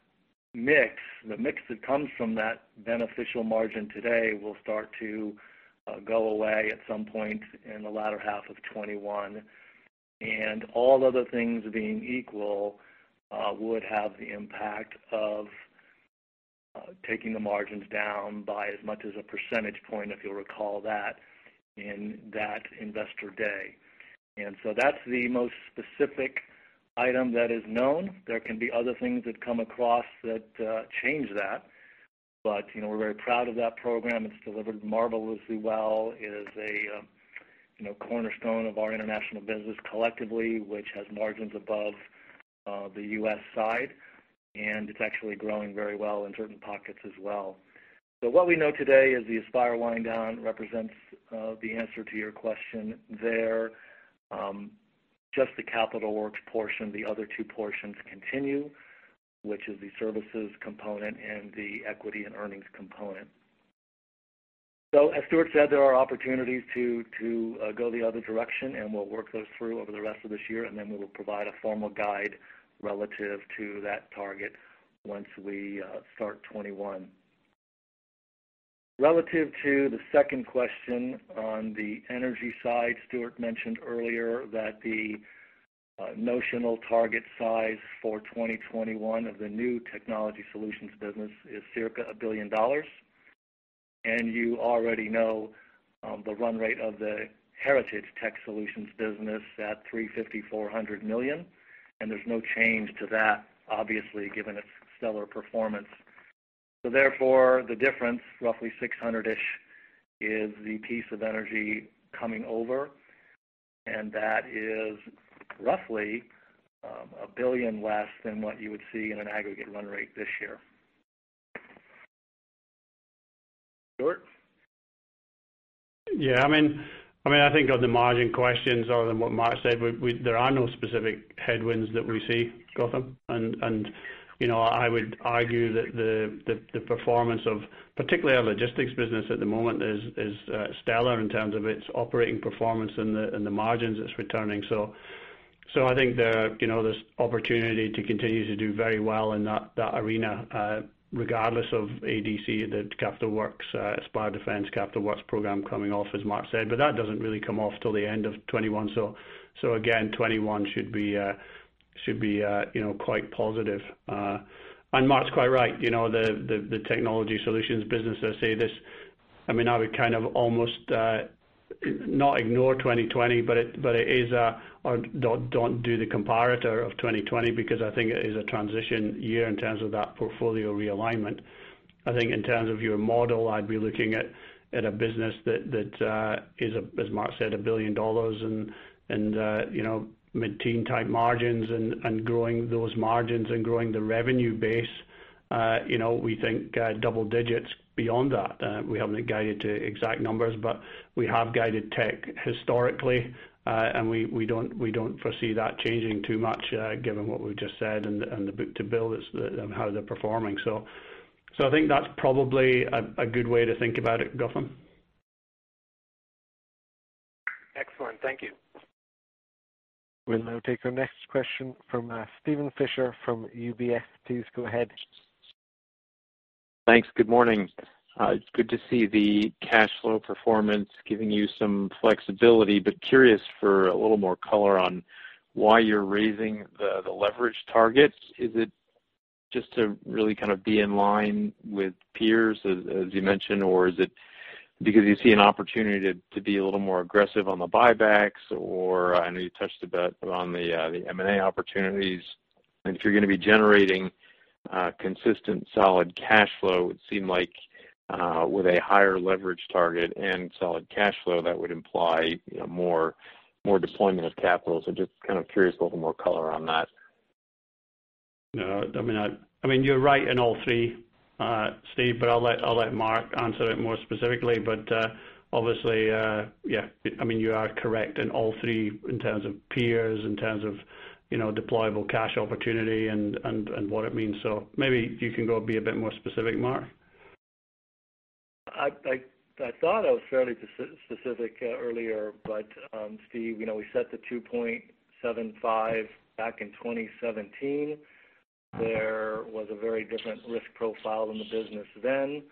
mix, the mix that comes from that beneficial margin today, will start to go away at some point in the latter half of 2021. All other things being equal, would have the impact of taking the margins down by as much as a percentage point, if you'll recall that in that Investor Day. So that's the most specific item that is known. There can be other things that come across that change that. We're very proud of that program. It's delivered marvelously well. It is a cornerstone of our international business collectively, which has margins above the U.S. side, and it's actually growing very well in certain pockets as well. What we know today is the Aspire wind down represents the answer to your question there. Just the capital works portion. The other two portions continue, which is the services component and the equity and earnings component. As Stuart said, there are opportunities to go the other direction, and we'll work those through over the rest of this year, and then we will provide a formal guide relative to that target once we start 2021. Relative to the second question on the energy side, Stuart mentioned earlier that the notional target size for 2021 of the new Technology Solutions business is circa $1 billion. You already know the run rate of the heritage Technology Solutions business at $350 million-$400 million. There's no change to that, obviously, given its stellar performance. Therefore, the difference, roughly $600-ish, is the piece of energy coming over, and that is roughly $1 billion less than what you would see in an aggregate run rate this year. Stuart? I think on the margin questions, other than what Mark said, there are no specific headwinds that we see, Gautam. I would argue that the performance of particularly our logistics business at the moment is stellar in terms of its operating performance and the margins it's returning. I think there's opportunity to continue to do very well in that arena, regardless of ADC, the Aspire Defence Capital Works program coming off, as Mark said. That doesn't really come off till the end of 2021. Again, 2021 should be quite positive. Mark's quite right. The Technology Solutions business, I say this, I would kind of almost, not ignore 2020, but it is. Don't do the comparator of 2020, because I think it is a transition year in terms of that portfolio realignment. I think in terms of your model, I'd be looking at a business that is, as Mark said, $1 billion and mid-teen type margins and growing those margins and growing the revenue base. We think double-digits beyond that. We haven't guided to exact numbers, but we have guided Tech historically. We don't foresee that changing too much given what we've just said and the book-to-bill, how they're performing. I think that's probably a good way to think about it, Gautam. Excellent. Thank you. We'll now take our next question from Steven Fisher from UBS. Please go ahead. Thanks. Good morning. It's good to see the cash flow performance giving you some flexibility. Curious for a little more color on why you're raising the leverage target. Is it just to really kind of be in line with peers, as you mentioned, or is it because you see an opportunity to be a little more aggressive on the buybacks? I know you touched a bit on the M&A opportunities. If you're going to be generating consistent solid cash flow, it would seem like with a higher leverage target and solid cash flow, that would imply more deployment of capital. Just kind of curious for a little more color on that. I mean, you're right in all three, Steve. I'll let Mark answer it more specifically. Obviously, yeah, you are correct in all three in terms of peers, in terms of deployable cash opportunity and what it means. Maybe you can go be a bit more specific, Mark. I thought I was fairly specific earlier, Steve. We set the 2.75 back in 2017. There was a very different risk profile in the business then.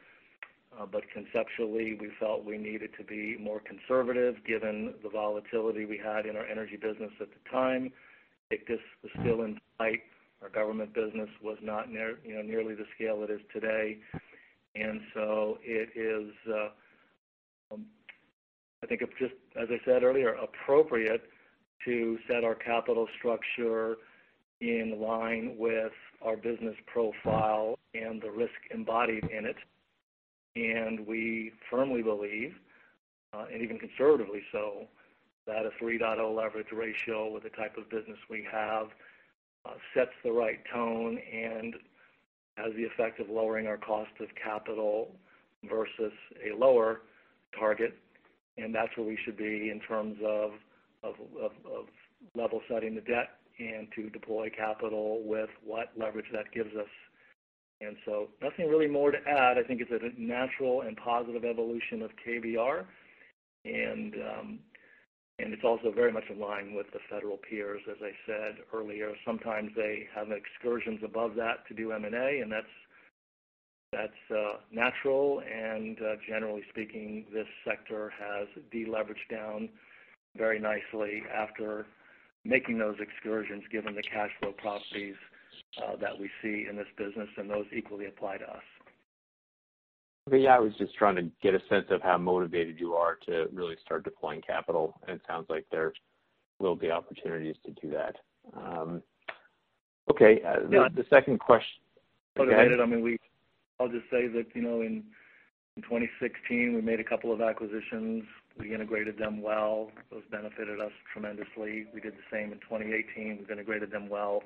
Conceptually, we felt we needed to be more conservative given the volatility we had in our energy business at the time. I think this was still in flight. Our government business was not nearly the scale it is today. It is, I think, as I said earlier, appropriate to set our capital structure in line with our business profile and the risk embodied in it. We firmly believe, and even conservatively so, that a 3.0 leverage ratio with the type of business we have sets the right tone and has the effect of lowering our cost of capital versus a lower target, and that's where we should be in terms of level setting the debt and to deploy capital with what leverage that gives us. Nothing really more to add. I think it's a natural and positive evolution of KBR. It's also very much in line with the federal peers, as I said earlier. Sometimes they have excursions above that to do M&A, and that's natural. Generally speaking, this sector has de-leveraged down very nicely after making those excursions, given the cash flow properties that we see in this business, and those equally apply to us. I was just trying to get a sense of how motivated you are to really start deploying capital, and it sounds like there will be opportunities to do that. Okay. The second question- Motivated. I mean, I'll just say that in 2016, we made a couple of acquisitions. We integrated them well. Those benefited us tremendously. We did the same in 2018. We've integrated them well.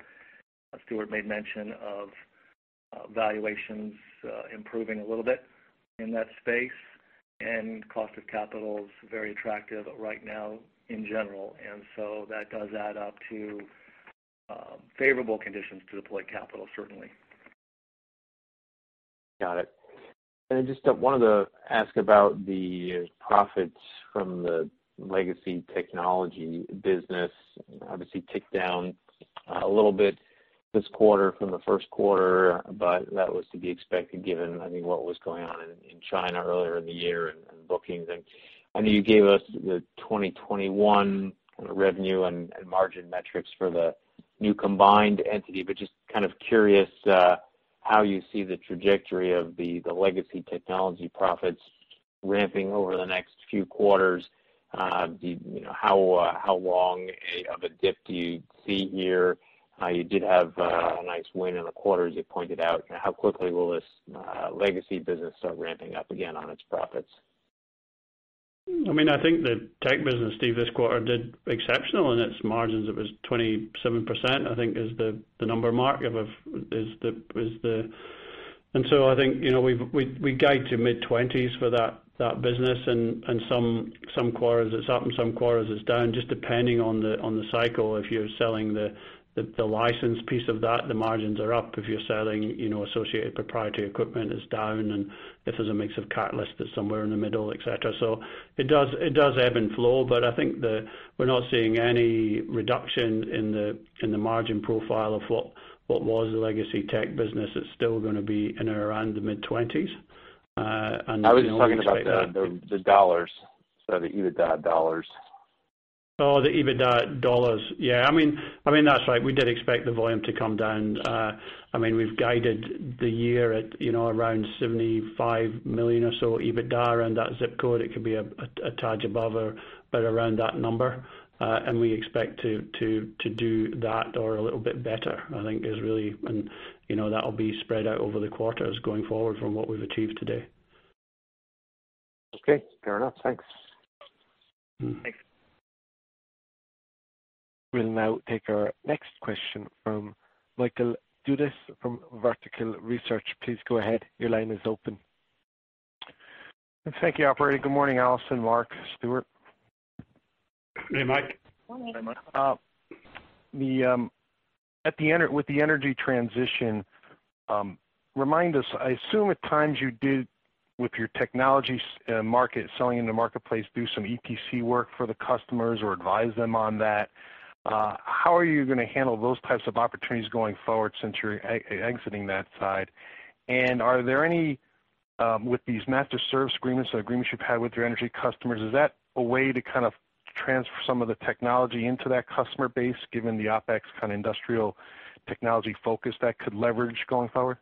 Stuart made mention of valuations improving a little bit in that space, and cost of capital is very attractive right now in general. That does add up to favorable conditions to deploy capital, certainly. Got it. I just wanted to ask about the profits from the legacy technology business. Obviously ticked down a little bit this quarter from the first quarter, but that was to be expected given what was going on in China earlier in the year and bookings. I know you gave us the 2021 revenue and margin metrics for the new combined entity, but just kind of curious how you see the trajectory of the legacy technology profits ramping over the next few quarters. How long of a dip do you see here? You did have a nice win in the quarter, as you pointed out. How quickly will this legacy business start ramping up again on its profits? I think the tech business, Steve, this quarter did exceptional in its margins. It was 27%, I think is the number Mark. I think we guide to mid-20s for that business and some quarters it's up and some quarters it's down, just depending on the cycle. If you're selling the license piece of that, the margins are up. If you're selling associated proprietary equipment, it's down. If there's a mix of catalyst, it's somewhere in the middle, et cetera. It does ebb and flow, but I think that we're not seeing any reduction in the margin profile of what was the legacy tech business. It's still going to be in and around the mid-20s. I was talking about the dollars. The EBITDA dollars. The EBITDA dollars. Yeah. That's right. We did expect the volume to come down. We've guided the year at around $75 million or so EBITDA around that zip code. It could be a touch above or about around that number. We expect to do that or a little bit better. That'll be spread out over the quarters going forward from what we've achieved today. Okay. Fair enough. Thanks. Thanks. We'll now take our next question from Michael Dudas from Vertical Research. Please go ahead. Your line is open. Thank you, operator. Good morning, Alison, Mark, Stuart. Hey, Mike.Good morning. Hey, Mike. With the energy transition, remind us, I assume at times you did, with your technology market, selling in the marketplace, do some EPC work for the customers or advise them on that. How are you going to handle those types of opportunities going forward since you're exiting that side? Are there any, with these master service agreements or agreements you've had with your energy customers, is that a way to kind of transfer some of the technology into that customer base, given the OpEx kind of industrial technology focus that could leverage going forward?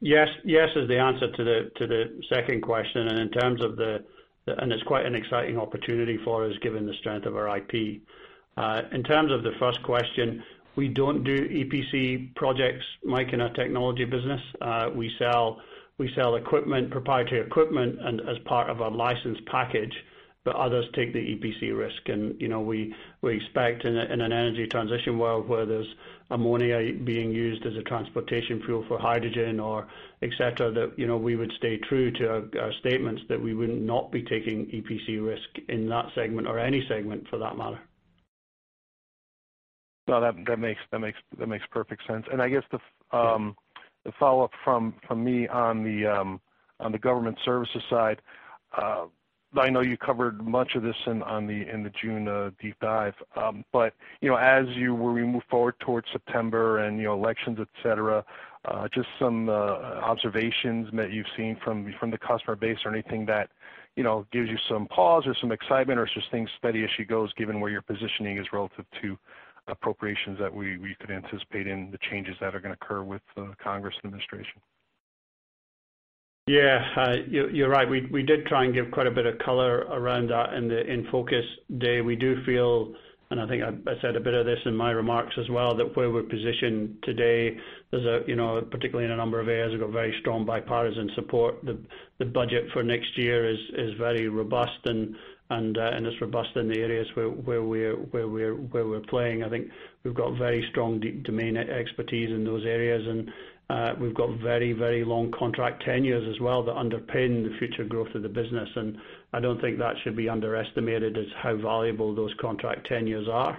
Yes is the answer to the second question. It's quite an exciting opportunity for us, given the strength of our IP. In terms of the first question, we don't do EPC projects, Mike, in our technology business. We sell proprietary equipment as part of a license package, but others take the EPC risk. We expect in an energy transition world where there's ammonia being used as a transportation fuel for hydrogen or et cetera, that we would stay true to our statements that we would not be taking EPC risk in that segment or any segment for that matter. Well, that makes perfect sense. I guess The follow-up from me on the Government Services side. I know you covered much of this in the June deep dive. as we move forward towards September and elections, et cetera, just some observations that you've seen from the customer base or anything that gives you some pause or some excitement, or it's just staying steady as she goes, given where your positioning is relative to appropriations that we could anticipate in the changes that are going to occur with the Congress administration? Yeah. You're right. We did try and give quite a bit of color around that in the In Focus Day. We do feel, and I think I said a bit of this in my remarks as well, that where we're positioned today, particularly in a number of areas, we've got very strong bipartisan support. The budget for next year is very robust, and it's robust in the areas where we're playing. I think we've got very strong domain expertise in those areas, and we've got very long contract tenures as well that underpin the future growth of the business. I don't think that should be underestimated as how valuable those contract tenures are.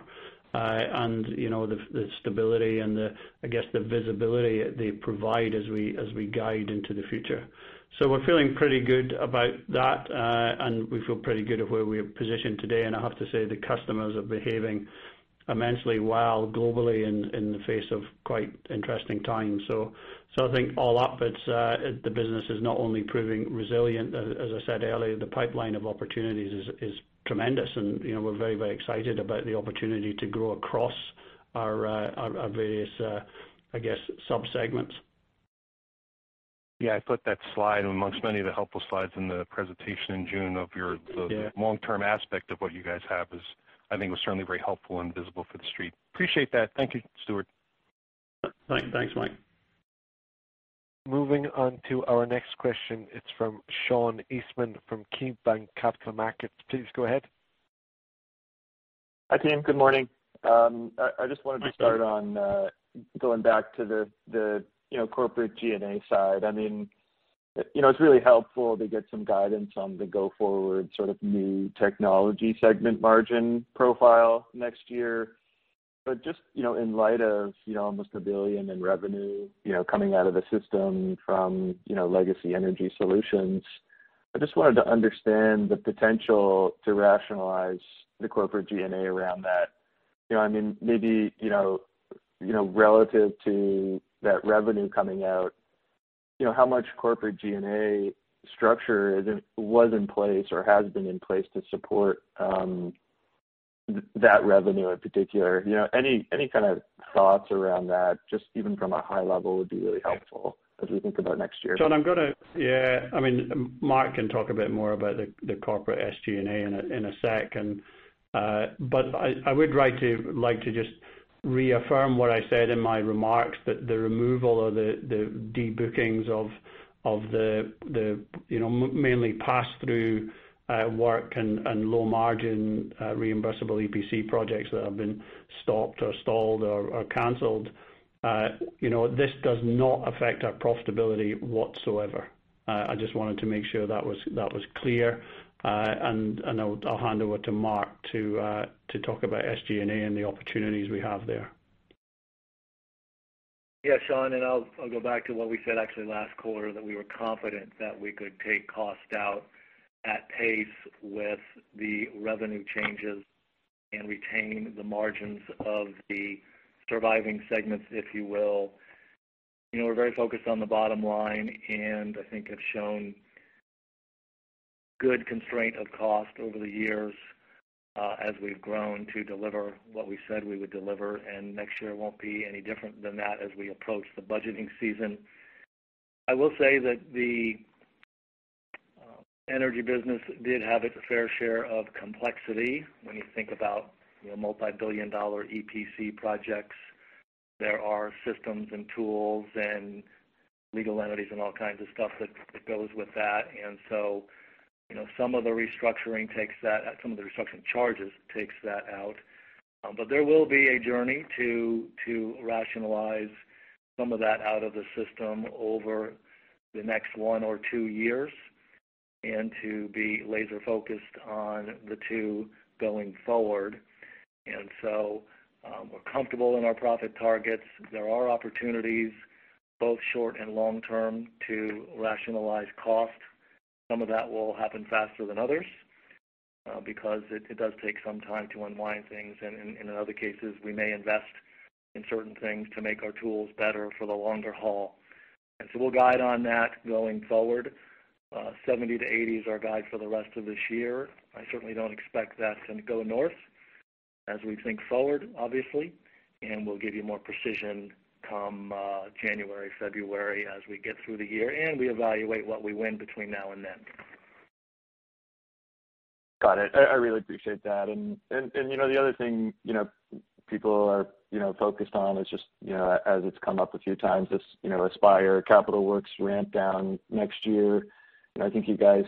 The stability and the, I guess, the visibility they provide as we guide into the future. We're feeling pretty good about that. We feel pretty good at where we're positioned today. I have to say, the customers are behaving immensely well globally in the face of quite interesting times. I think all up, the business is not only proving resilient, as I said earlier, the pipeline of opportunities is tremendous. We're very excited about the opportunity to grow across our various, I guess, subsegments. Yeah, I put that slide amongst many of the helpful slides in the presentation in June of. Yeah the long-term aspect of what you guys have is, I think, was certainly very helpful and visible for the Street. Appreciate that. Thank you, Stuart. Thanks, Mike. Moving on to our next question. It's from Sean Eastman from KeyBanc Capital Markets. Please go ahead. Hi, team. Good morning. I just wanted to start on going back to the corporate G&A side. It's really helpful to get some guidance on the go-forward new Technology Segment margin profile next year. Just in light of almost $1 billion in revenue coming out of the system from legacy energy solutions, I just wanted to understand the potential to rationalize the corporate G&A around that. Maybe relative to that revenue coming out, how much corporate G&A structure was in place or has been in place to support that revenue in particular? Any kind of thoughts around that, just even from a high level, would be really helpful as we think about next year. Sean, Mark can talk a bit more about the corporate SG&A in a sec. I would like to just reaffirm what I said in my remarks, that the removal or the de-bookings of the mainly pass-through work and low-margin reimbursable EPC projects that have been stopped or stalled or canceled, this does not affect our profitability whatsoever. I just wanted to make sure that was clear. I'll hand over to Mark to talk about SG&A and the opportunities we have there. Yeah, Sean, I'll go back to what we said actually last quarter, that we were confident that we could take cost out at pace with the revenue changes and retain the margins of the surviving segments, if you will. We're very focused on the bottom line, and I think have shown good constraint of cost over the years, as we've grown to deliver what we said we would deliver. Next year won't be any different than that as we approach the budgeting season. I will say that the energy business did have its fair share of complexity. When you think about multibillion-dollar EPC projects, there are systems and tools and legal entities and all kinds of stuff that goes with that. Some of the restructuring charges takes that out. There will be a journey to rationalize some of that out of the system over the next one or two years and to be laser-focused on the two going forward. We're comfortable in our profit targets. There are opportunities, both short and long term, to rationalize cost. Some of that will happen faster than others, because it does take some time to unwind things. In other cases, we may invest in certain things to make our tools better for the longer haul. We'll guide on that going forward. 70 to 80 is our guide for the rest of this year. I certainly don't expect that to go north as we think forward, obviously. We'll give you more precision come January, February as we get through the year, and we evaluate what we win between now and then. Got it. I really appreciate that. The other thing people are focused on is just, as it's come up a few times, this Aspire Defence Capital Works ramp down next year. I think you guys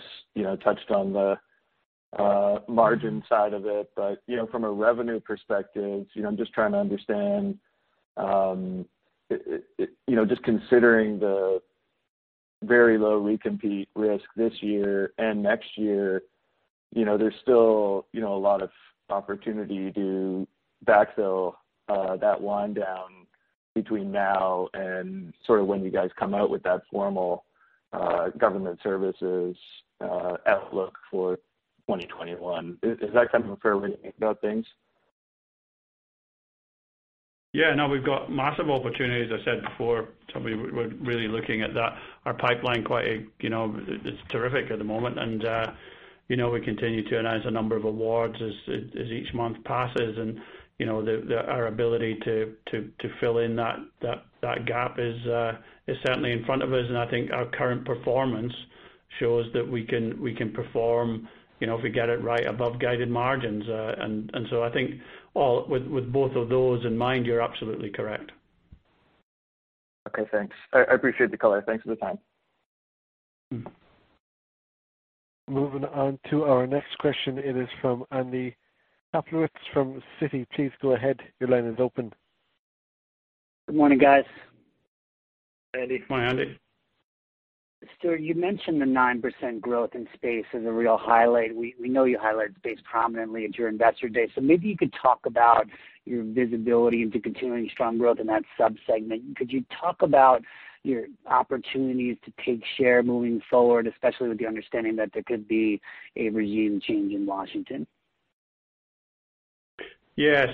touched on the margin side of it. From a revenue perspective, I'm just trying to understand, just considering the very low recompete risk this year and next year. There's still a lot of opportunity to backfill that wind down between now and sort of when you guys come out with that formal government services outlook for 2021. Is that kind of a fair way to think about things? Yeah, no, we've got massive opportunities, as I said before. We're really looking at that. Our pipeline, it's terrific at the moment. We continue to announce a number of awards as each month passes. Our ability to fill in that gap is certainly in front of us. I think our current performance shows that we can perform, if we get it right, above guided margins. I think with both of those in mind, you're absolutely correct. Okay, thanks. I appreciate the color. Thanks for the time. Moving on to our next question. It is from Andrew Kaplowitz from Citi. Please go ahead. Your line is open. Good morning, guys. Morning, Andy. Morning, Andy. Stuart, you mentioned the 9% growth in space as a real highlight. We know you highlight space prominently at your investor day, maybe you could talk about your visibility into continuing strong growth in that sub-segment. Could you talk about your opportunities to take share moving forward, especially with the understanding that there could be a regime change in Washington? Yeah.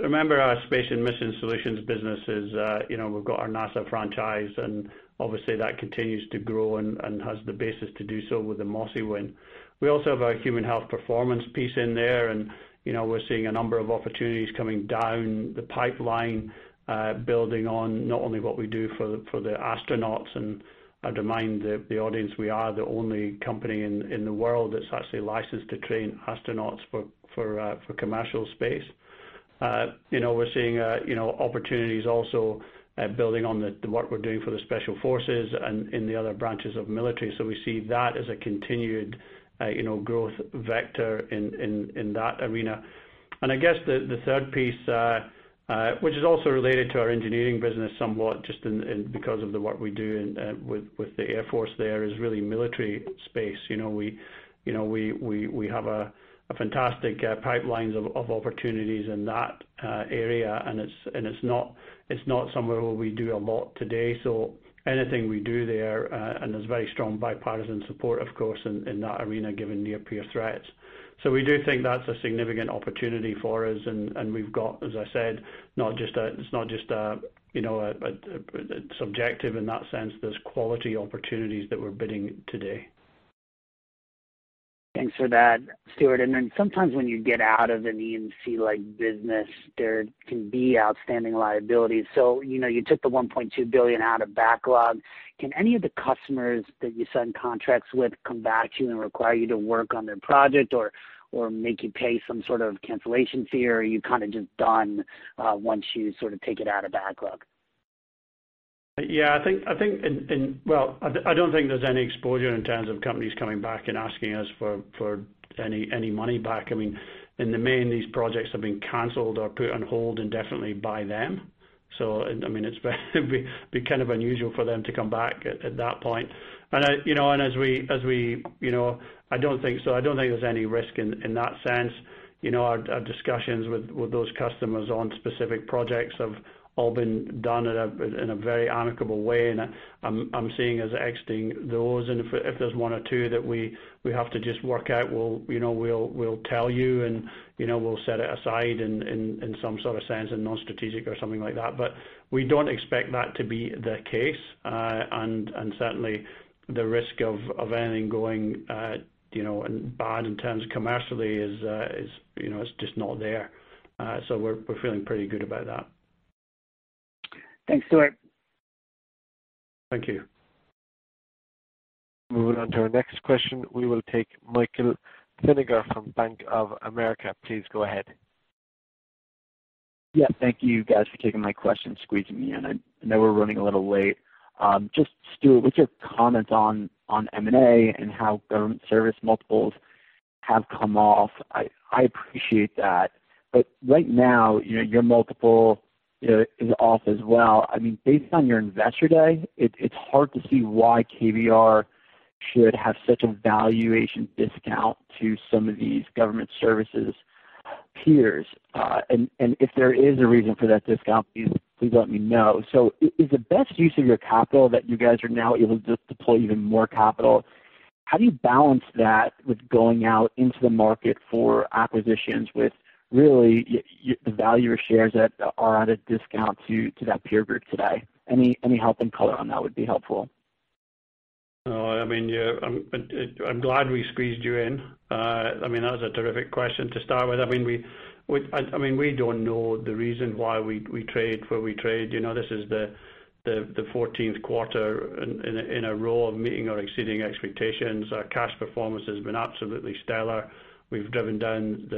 Remember our Space and Mission Solutions business is, we've got our NASA franchise, and obviously that continues to grow and has the basis to do so with the MOSI win. We also have our Human Health and Performance piece in there, and we're seeing a number of opportunities coming down the pipeline, building on not only what we do for the astronauts. I'd remind the audience, we are the only company in the world that's actually licensed to train astronauts for commercial space. We're seeing opportunities also building on the work we're doing for the special forces and in the other branches of military. We see that as a continued growth vector in that arena. I guess the third piece, which is also related to our engineering business somewhat just because of the work we do with the Air Force there, is really military space. We have a fantastic pipelines of opportunities in that area, and it's not somewhere where we do a lot today. Anything we do there, and there's very strong bipartisan support, of course, in that arena, given near-peer threats. We do think that's a significant opportunity for us. We've got, as I said, it's not just subjective in that sense. There's quality opportunities that we're bidding today. Thanks for that, Stuart. Sometimes when you get out of an EPC-like business, there can be outstanding liabilities. You took the $1.2 billion out of backlog. Can any of the customers that you signed contracts with come back to you and require you to work on their project or make you pay some sort of cancellation fee, or are you kind of just done once you sort of take it out of backlog? Yeah. Well, I don't think there's any exposure in terms of companies coming back and asking us for any money back. In the main, these projects have been canceled or put on hold indefinitely by them. It'd be kind of unusual for them to come back at that point. I don't think so. I don't think there's any risk in that sense. Our discussions with those customers on specific projects have all been done in a very amicable way, and I'm seeing us exiting those. If there's one or two that we have to just work out, we'll tell you, and we'll set it aside in some sort of sense in non-strategic or something like that. We don't expect that to be the case. Certainly, the risk of anything going bad in terms of commercially is just not there. We're feeling pretty good about that. Thanks, Stuart. Thank you. Moving on to our next question. We will take Michael Feniger from Bank of America. Please go ahead. Yeah. Thank you guys for taking my question, squeezing me in. I know we're running a little late. Stuart, what's your comment on M&A and how government service multiples have come off? I appreciate that. Right now, your multiple is off as well. Based on your Investor Day, it's hard to see why KBR should have such a valuation discount to some of these government services peers. If there is a reason for that discount, please let me know. Is the best use of your capital that you guys are now able to deploy even more capital? How do you balance that with going out into the market for acquisitions with really the value of shares that are at a discount to that peer group today? Any help and color on that would be helpful. I'm glad we squeezed you in. That was a terrific question to start with. We don't know the reason why we trade where we trade. This is the 14th quarter in a row of meeting or exceeding expectations. Our cash performance has been absolutely stellar. We've driven down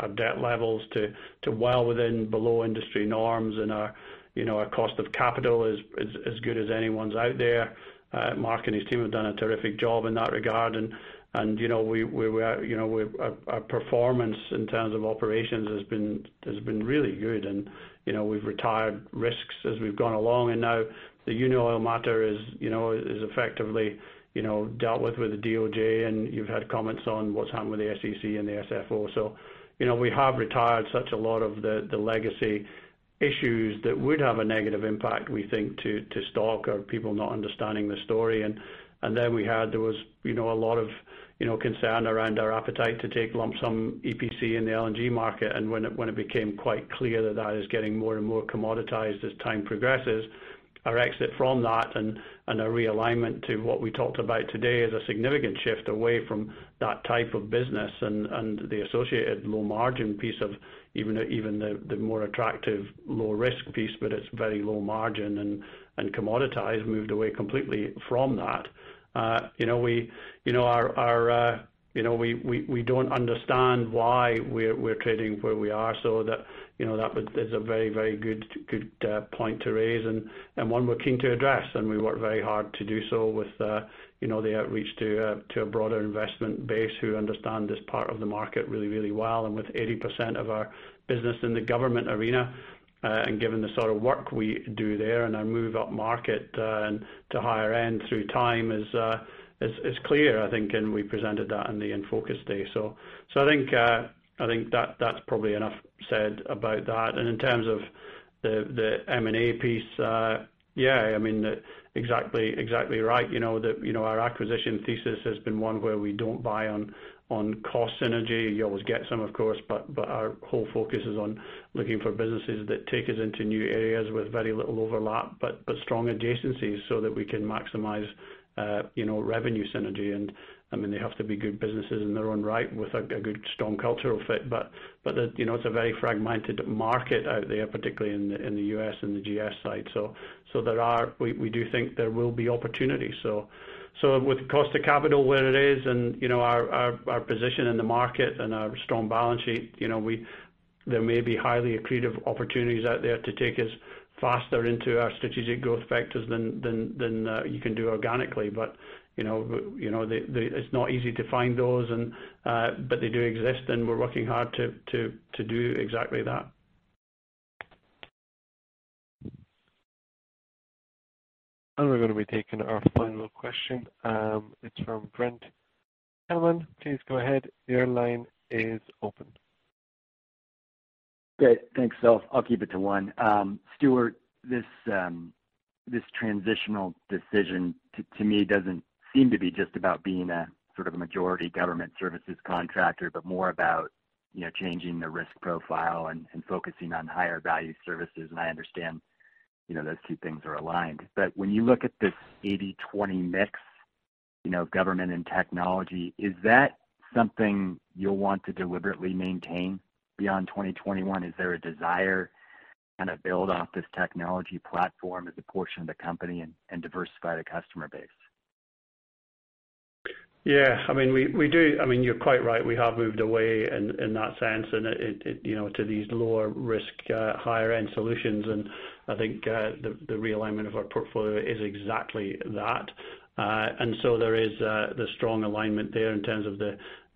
our debt levels to well within below industry norms. Our cost of capital is as good as anyone's out there. Mark and his team have done a terrific job in that regard. Our performance in terms of operations has been really good. We've retired risks as we've gone along. Now the Unaoil matter is effectively dealt with the DOJ. You've had comments on what's happened with the SEC and the SFO. We have retired such a lot of the legacy issues that would have a negative impact, we think, to stock or people not understanding the story. There was a lot of concern around our appetite to take lump sum EPC in the LNG market. When it became quite clear that that is getting more and more commoditized as time progresses, our exit from that and our realignment to what we talked about today is a significant shift away from that type of business and the associated low margin piece of even the more attractive low risk piece, but it's very low margin and commoditized, moved away completely from that. We don't understand why we're trading where we are. That is a very good point to raise and one we're keen to address, and we work very hard to do so with the outreach to a broader investment base who understand this part of the market really well. With 80% of our business in the government arena, and given the sort of work we do there, and our move up market to higher end through time is clear, I think, and we presented that in the In Focus day. I think that's probably enough said about that. In terms of the M&A piece, yeah, exactly right. Our acquisition thesis has been one where we don't buy on cost synergy. You always get some, of course, but our whole focus is on looking for businesses that take us into new areas with very little overlap but strong adjacencies so that we can maximize revenue synergy. They have to be good businesses in their own right with a good, strong cultural fit. It's a very fragmented market out there, particularly in the U.S. and the GS side. We do think there will be opportunities. With cost of capital where it is and our position in the market and our strong balance sheet, there may be highly accretive opportunities out there to take us faster into our strategic growth vectors than you can do organically. It's not easy to find those, but they do exist and we're working hard to do exactly that. We're going to be taking our final question. It's from Brent. Brent, please go ahead. Your line is open. Great. Thanks. I'll keep it to one. Stuart, this transitional decision to me doesn't seem to be just about being a sort of majority government services contractor, but more about changing the risk profile and focusing on higher value services. I understand those two things are aligned. When you look at this 80/20 mix, government and technology, is that something you'll want to deliberately maintain beyond 2021? Is there a desire to build off this technology platform as a portion of the company and diversify the customer base? Yeah, you're quite right. We have moved away in that sense to these lower risk, higher end solutions. I think the realignment of our portfolio is exactly that. There is the strong alignment there in terms of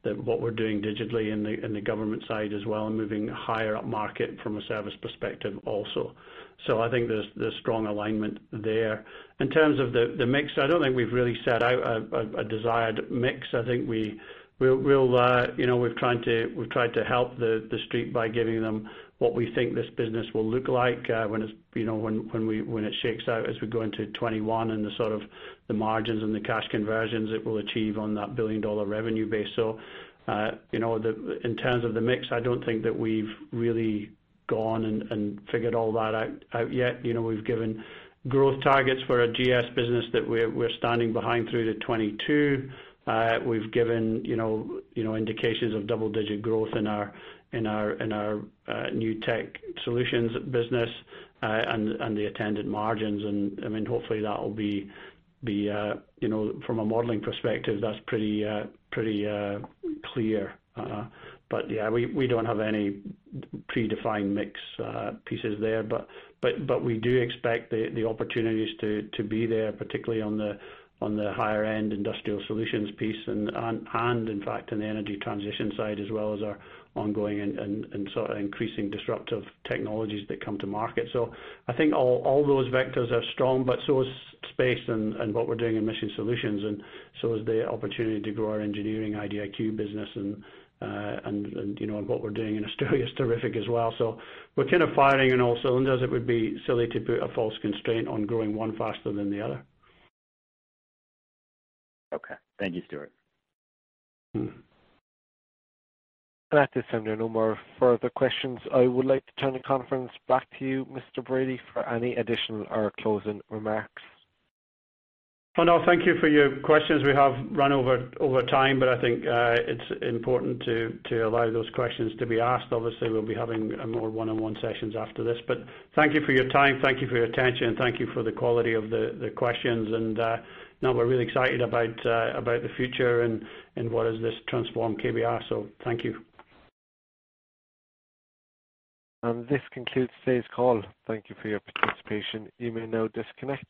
what we're doing digitally in the government side as well, and moving higher up market from a service perspective also. I think there's strong alignment there. In terms of the mix, I don't think we've really set out a desired mix. I think we've tried to help the Street by giving them what we think this business will look like when it shakes out as we go into 2021, and the sort of the margins and the cash conversions it will achieve on that $1 billion revenue base. In terms of the mix, I don't think that we've really gone and figured all that out yet. We've given growth targets for our GS business that we're standing behind through to 2022. We've given indications of double-digit growth in our new tech solutions business, and the attendant margins, and hopefully that will be, from a modeling perspective, that's pretty clear. Yeah, we don't have any predefined mix pieces there. We do expect the opportunities to be there, particularly on the higher end industrial solutions piece and in fact, on the energy transition side, as well as our ongoing and sort of increasing disruptive technologies that come to market. I think all those vectors are strong, but so is space and what we're doing in mission solutions, and so is the opportunity to grow our engineering IDIQ business and what we're doing in Australia is terrific as well. We're kind of firing on all cylinders. It would be silly to put a false constraint on growing one faster than the other. Okay. Thank you, Stuart. At this time, there are no more further questions. I would like to turn the conference back to you, Mr. Bradie, for any additional or closing remarks. No, thank you for your questions. We have run over time, but I think it's important to allow those questions to be asked. Obviously, we'll be having more one-on-one sessions after this. Thank you for your time, thank you for your attention, and thank you for the quality of the questions. Now we're really excited about the future and what is this transformed KBR. Thank you. This concludes today's call. Thank you for your participation. You may now disconnect.